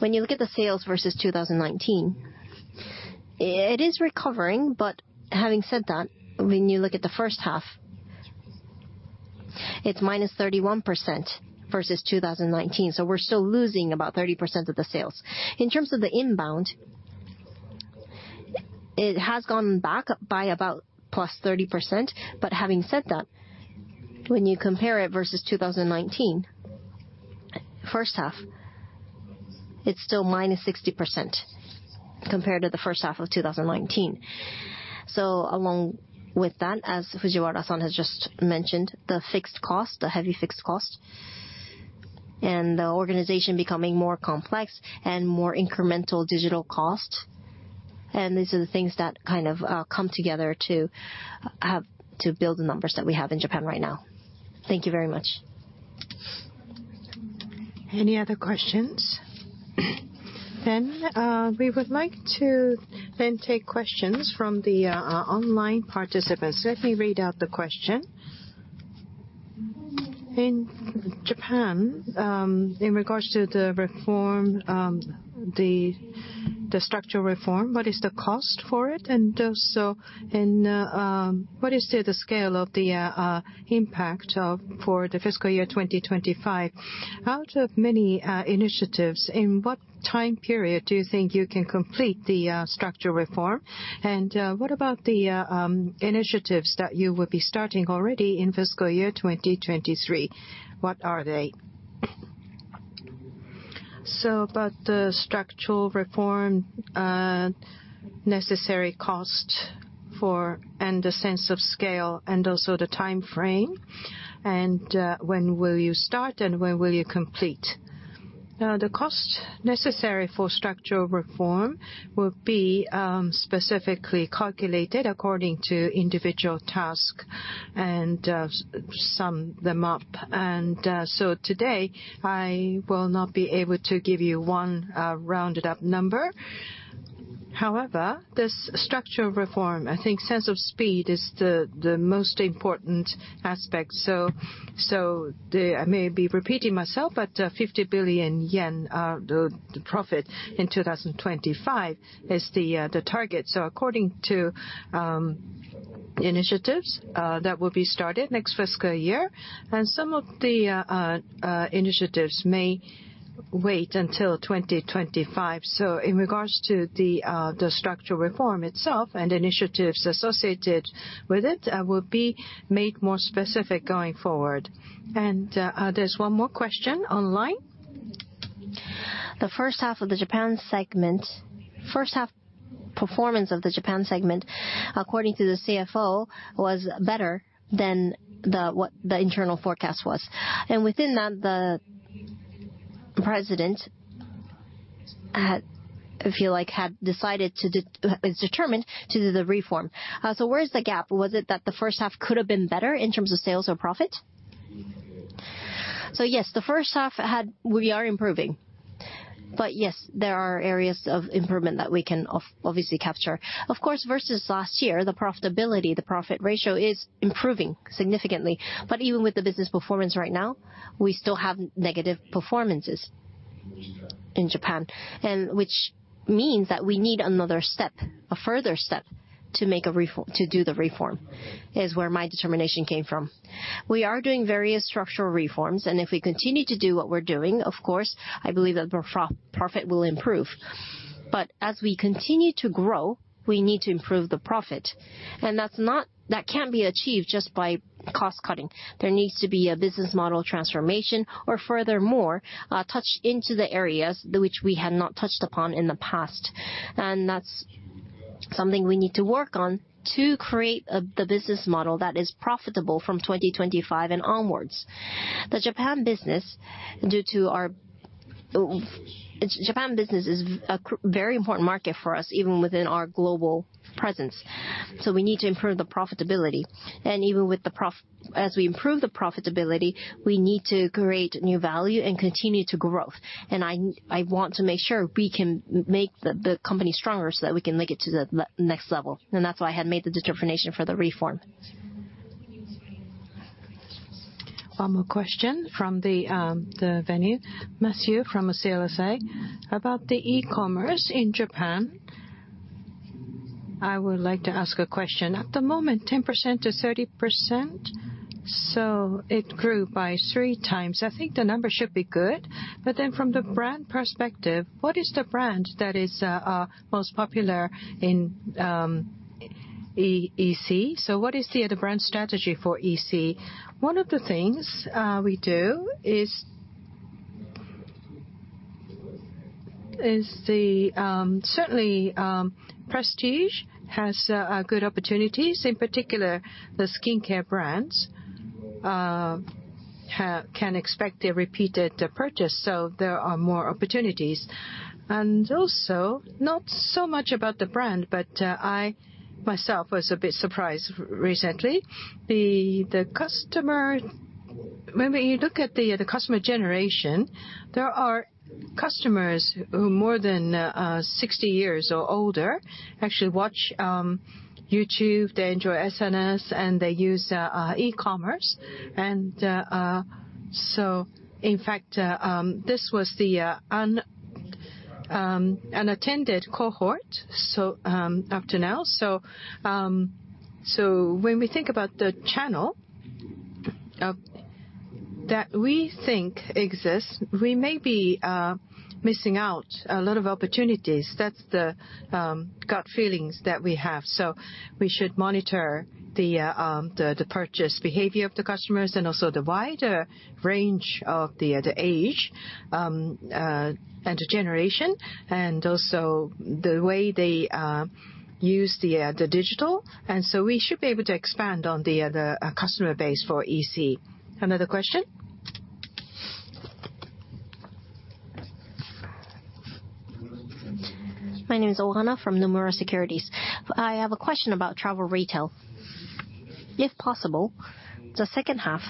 When you look at the sales versus 2019, it is recovering. Having said that, when you look at the first half, it's minus 31% versus 2019. We're still losing about 30% of the sales. In terms of the inbound, it has gone back by about plus 30%. Having said that, when you compare it versus 2019 first half, it's still minus 60% compared to the first half of 2019. Along with that, as Fujiwara-san has just mentioned, the fixed cost, the heavy fixed cost, and the organization becoming more complex and more incremental digital cost. These are the things that kind of come together to build the numbers that we have in Japan right now. Thank you very much. Any other questions? We would like to then take questions from the online participants. Let me read out the question. In Japan, in regards to the structural reform, what is the cost for it? Also, what is the scale of the impact for the fiscal year 2025? Out of many initiatives, in what time period do you think you can complete the structural reform? What about the initiatives that you will be starting already in fiscal year 2023? What are they? About the structural reform necessary cost for, and the sense of scale, and also the time frame. When will you start, and when will you complete? The cost necessary for structural reform will be specifically calculated according to individual task and sum them up. Today, I will not be able to give you one rounded up number. However, this structural reform, I think sense of speed is the most important aspect. I may be repeating myself, but 50 billion yen profit in 2025 is the target. According to initiatives that will be started next fiscal year, and some of the initiatives may wait until 2025. In regards to the structural reform itself and initiatives associated with it, will be made more specific going forward. There's one more question online. The first half performance of the Japan segment, according to the CFO, was better than what the internal forecast was. Within that, the president, I feel like, is determined to do the reform. Where is the gap? Was it that the first half could've been better in terms of sales or profit? Yes, the first half, we are improving. Yes, there are areas of improvement that we can obviously capture. Of course, versus last year, the profitability, the profit ratio is improving significantly. Even with the business performance right now, we still have negative performances in Japan. Which means that we need another step, a further step, to do the reform, is where my determination came from. We are doing various structural reforms, and if we continue to do what we're doing, of course, I believe that the profit will improve. As we continue to grow, we need to improve the profit. That can't be achieved just by cost cutting. There needs to be a business model transformation or furthermore, touch into the areas which we had not touched upon in the past. That's something we need to work on to create the business model that is profitable from 2025 and onwards. The Japan business is a very important market for us, even within our global presence. We need to improve the profitability. As we improve the profitability, we need to create new value and continue to growth. I want to make sure we can make the company stronger so that we can take it to the next level. That's why I had made the determination for the reform. One more question from the venue. Oliver from CLSA. About the e-commerce in Japan, I would like to ask a question. At the moment, 10%-30%, it grew by three times. I think the number should be good. From the brand perspective, what is the brand that is most popular in EC? What is the brand strategy for EC? One of the things we do is certainly prestige has good opportunities, in particular, the skincare brands can expect a repeated purchase, so there are more opportunities. Not so much about the brand, but I myself was a bit surprised recently. When you look at the customer generation, there are customers who more than 60 years or older, actually watch YouTube. They enjoy SNS, and they use e-commerce. In fact, this was an unattended cohort up to now. When we think about the channel that we think exists, we may be missing out a lot of opportunities. That's the gut feelings that we have. We should monitor the purchase behavior of the customers and also the wider range of the age and the generation, and also the way they use the digital. We should be able to expand on the customer base for EC. Another question? My name is Ohana from Nomura Securities. I have a question about travel retail. If possible, the second half,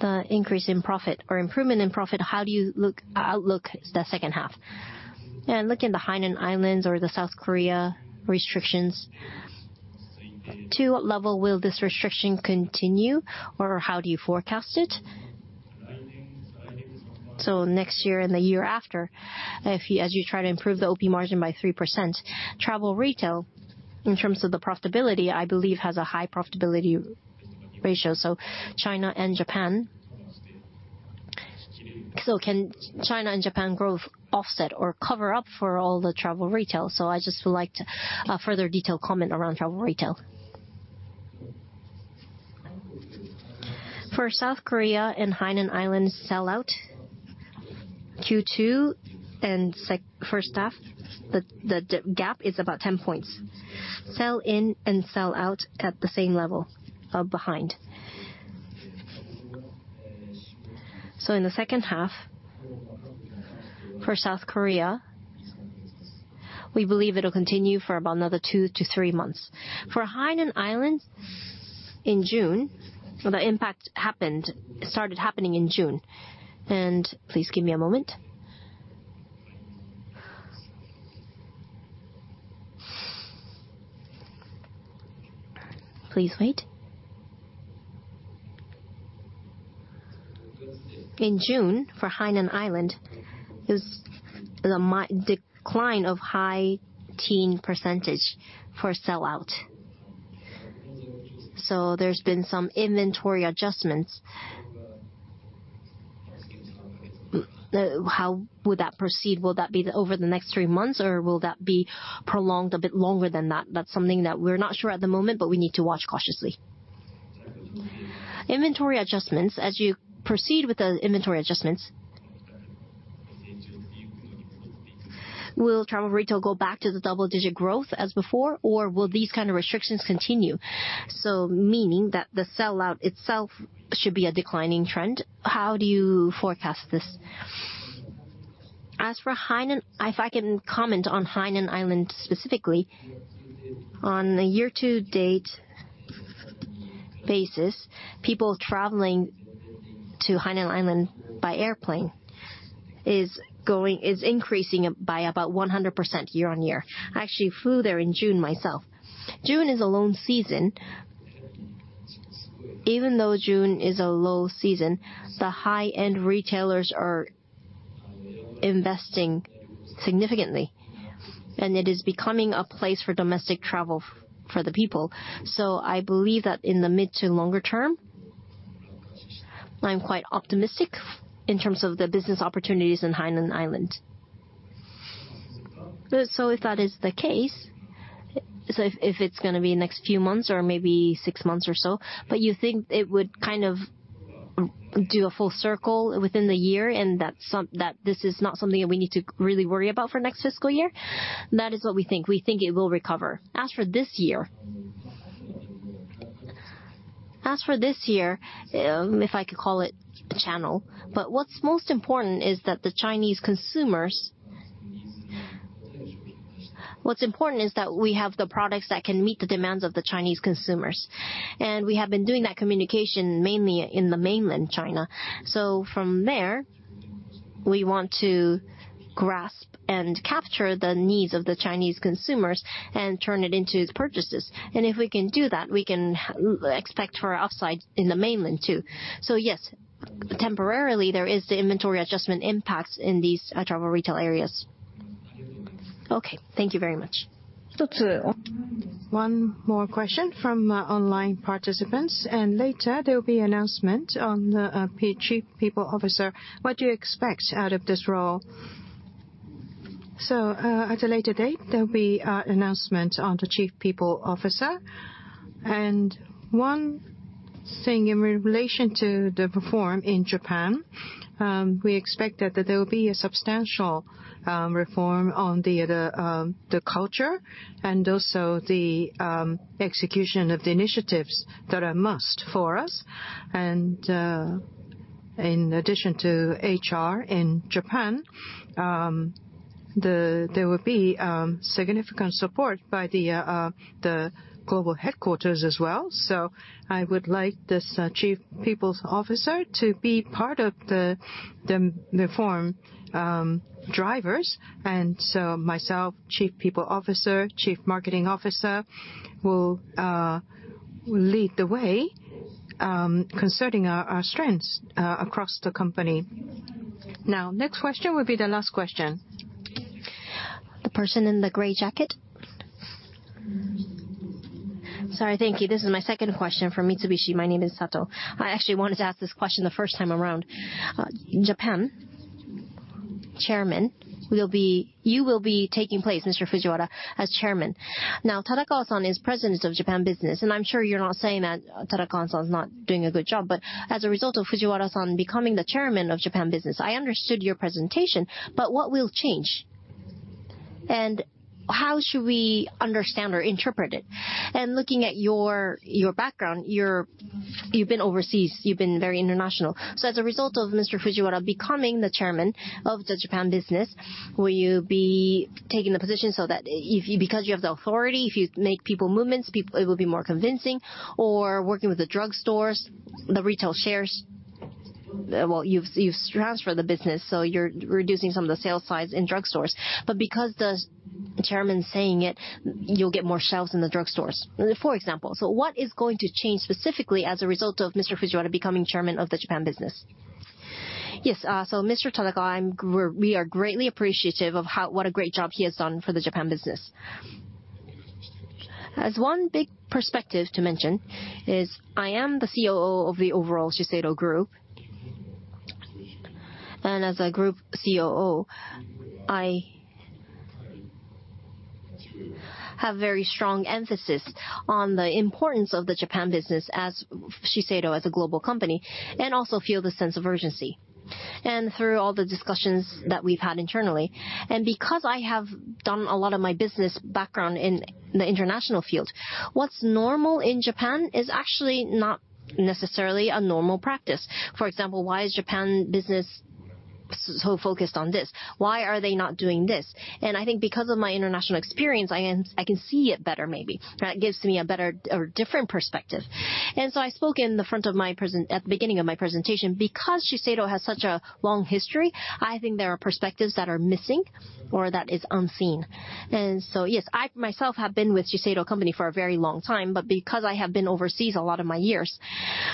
the increase in profit or improvement in profit, how do you outlook the second half? Looking at the Hainan Island or the South Korea restrictions, to what level will this restriction continue, or how do you forecast it? Next year and the year after, as you try to improve the OP margin by 3%, travel retail, in terms of the profitability, I believe has a high profitability ratio. China and Japan. Can China and Japan growth offset or cover up for all the travel retail? I just would like a further detailed comment around travel retail. For South Korea and Hainan Island sellout, Q2 and first half, the gap is about 10 points. Sell in and sell out at the same level are behind. In the second half, for South Korea, we believe it'll continue for about another 2 to 3 months. For Hainan Island In June, the impact started happening in June. Please give me a moment. Please wait. In June, for Hainan Island, it was the decline of high teen percentage for sellout. There's been some inventory adjustments. How would that proceed? Will that be over the next 3 months or will that be prolonged a bit longer than that? That's something that we're not sure at the moment, but we need to watch cautiously. Inventory adjustments. As you proceed with the inventory adjustments, will travel retail go back to the double-digit growth as before, or will these kind of restrictions continue? Meaning that the sellout itself should be a declining trend. How do you forecast this? As for Hainan, if I can comment on Hainan Island specifically, on a year-to-date basis, people traveling to Hainan Island by airplane is increasing by about 100% year-on-year. I actually flew there in June myself. June is a low season. Even though June is a low season, the high-end retailers are investing significantly, and it is becoming a place for domestic travel for the people. I believe that in the mid to longer term, I'm quite optimistic in terms of the business opportunities in Hainan Island. If that is the case, if it's going to be next few months or maybe 6 months or so, but you think it would kind of do a full circle within the year and that this is not something that we need to really worry about for next fiscal year? That is what we think. We think it will recover. As for this year, if I could call it the channel, but what's most important is that the Chinese consumers. What's important is that we have the products that can meet the demands of the Chinese consumers. We have been doing that communication mainly in the mainland China. From there, we want to grasp and capture the needs of the Chinese consumers and turn it into purchases. If we can do that, we can expect for upside in the mainland too. Yes, temporarily, there is the inventory adjustment impacts in these travel retail areas. Okay, thank you very much. One more question from online participants. Later there will be announcement on the Chief People Officer. What do you expect out of this role? At a later date, there will be announcement on the Chief People Officer. One thing in relation to the reform in Japan, we expected that there will be a substantial reform on the culture and also the execution of the initiatives that are must for us. In addition to HR in Japan, there will be significant support by the global headquarters as well. I would like this Chief People Officer to be part of the reform drivers. Myself, Chief People Officer, Chief Marketing Officer, will lead the way concerning our strengths across the company. Next question will be the last question. The person in the gray jacket. Sorry. Thank you. This is my second question from Mitsubishi. My name is Sato. I actually wanted to ask this question the first time around. Japan Chairman, you will be taking place, Mr. Fujiwara, as Chairman. Tadaka-san is President of Japan business, I'm sure you're not saying that Tadaka-san is not doing a good job. As a result of Fujiwara-san becoming the Chairman of Japan business, I understood your presentation, but what will change? How should we understand or interpret it? Looking at your background, you've been overseas, you've been very international. As a result of Mr. Fujiwara becoming the Chairman of the Japan business, will you be taking the position so that because you have the authority, if you make people movements, it will be more convincing? Working with the drugstores, the retail shares, you've transferred the business, you're reducing some of the sales size in drugstores. Because the Chairman's saying it, you'll get more shelves in the drugstores, for example. What is going to change specifically as a result of Mr. Fujiwara becoming Chairman of the Japan business? Yes. Mr. Tadaka, we are greatly appreciative of what a great job he has done for the Japan business. As one big perspective to mention is I am the COO of the overall Shiseido Group. As a group COO, I have very strong emphasis on the importance of the Japan business as Shiseido as a global company, also feel the sense of urgency. Through all the discussions that we've had internally, because I have done a lot of my business background in the international field, what's normal in Japan is actually not necessarily a normal practice. For example, why is Japan business so focused on this? Why are they not doing this? I think because of my international experience, I can see it better, maybe. That gives me a better or different perspective. I spoke at the beginning of my presentation, because Shiseido has such a long history, I think there are perspectives that are missing or that is unseen. Yes, I myself have been with Shiseido Company for a very long time, but because I have been overseas a lot of my years,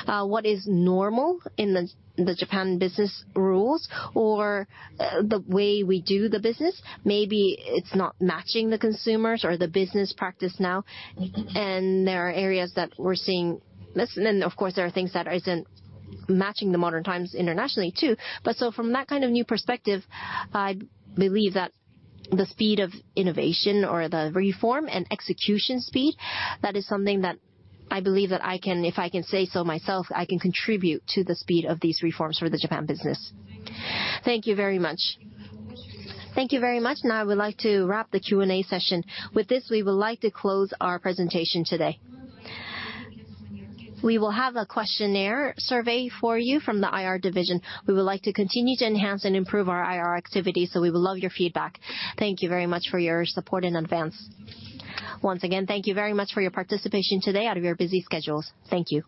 what is normal in the Japan business rules or the way we do the business, maybe it's not matching the consumers or the business practice now. There are areas that we're seeing less. Of course, there are things that isn't matching the modern times internationally, too. From that kind of new perspective, I believe that the speed of innovation or the reform and execution speed, that is something that I believe that I can, if I can say so myself, I can contribute to the speed of these reforms for the Japan business. Thank you very much. Thank you very much. Now I would like to wrap the Q&A session. With this, we would like to close our presentation today. We will have a questionnaire survey for you from the IR division. We would like to continue to enhance and improve our IR activities, so we would love your feedback. Thank you very much for your support in advance. Once again, thank you very much for your participation today out of your busy schedules. Thank you.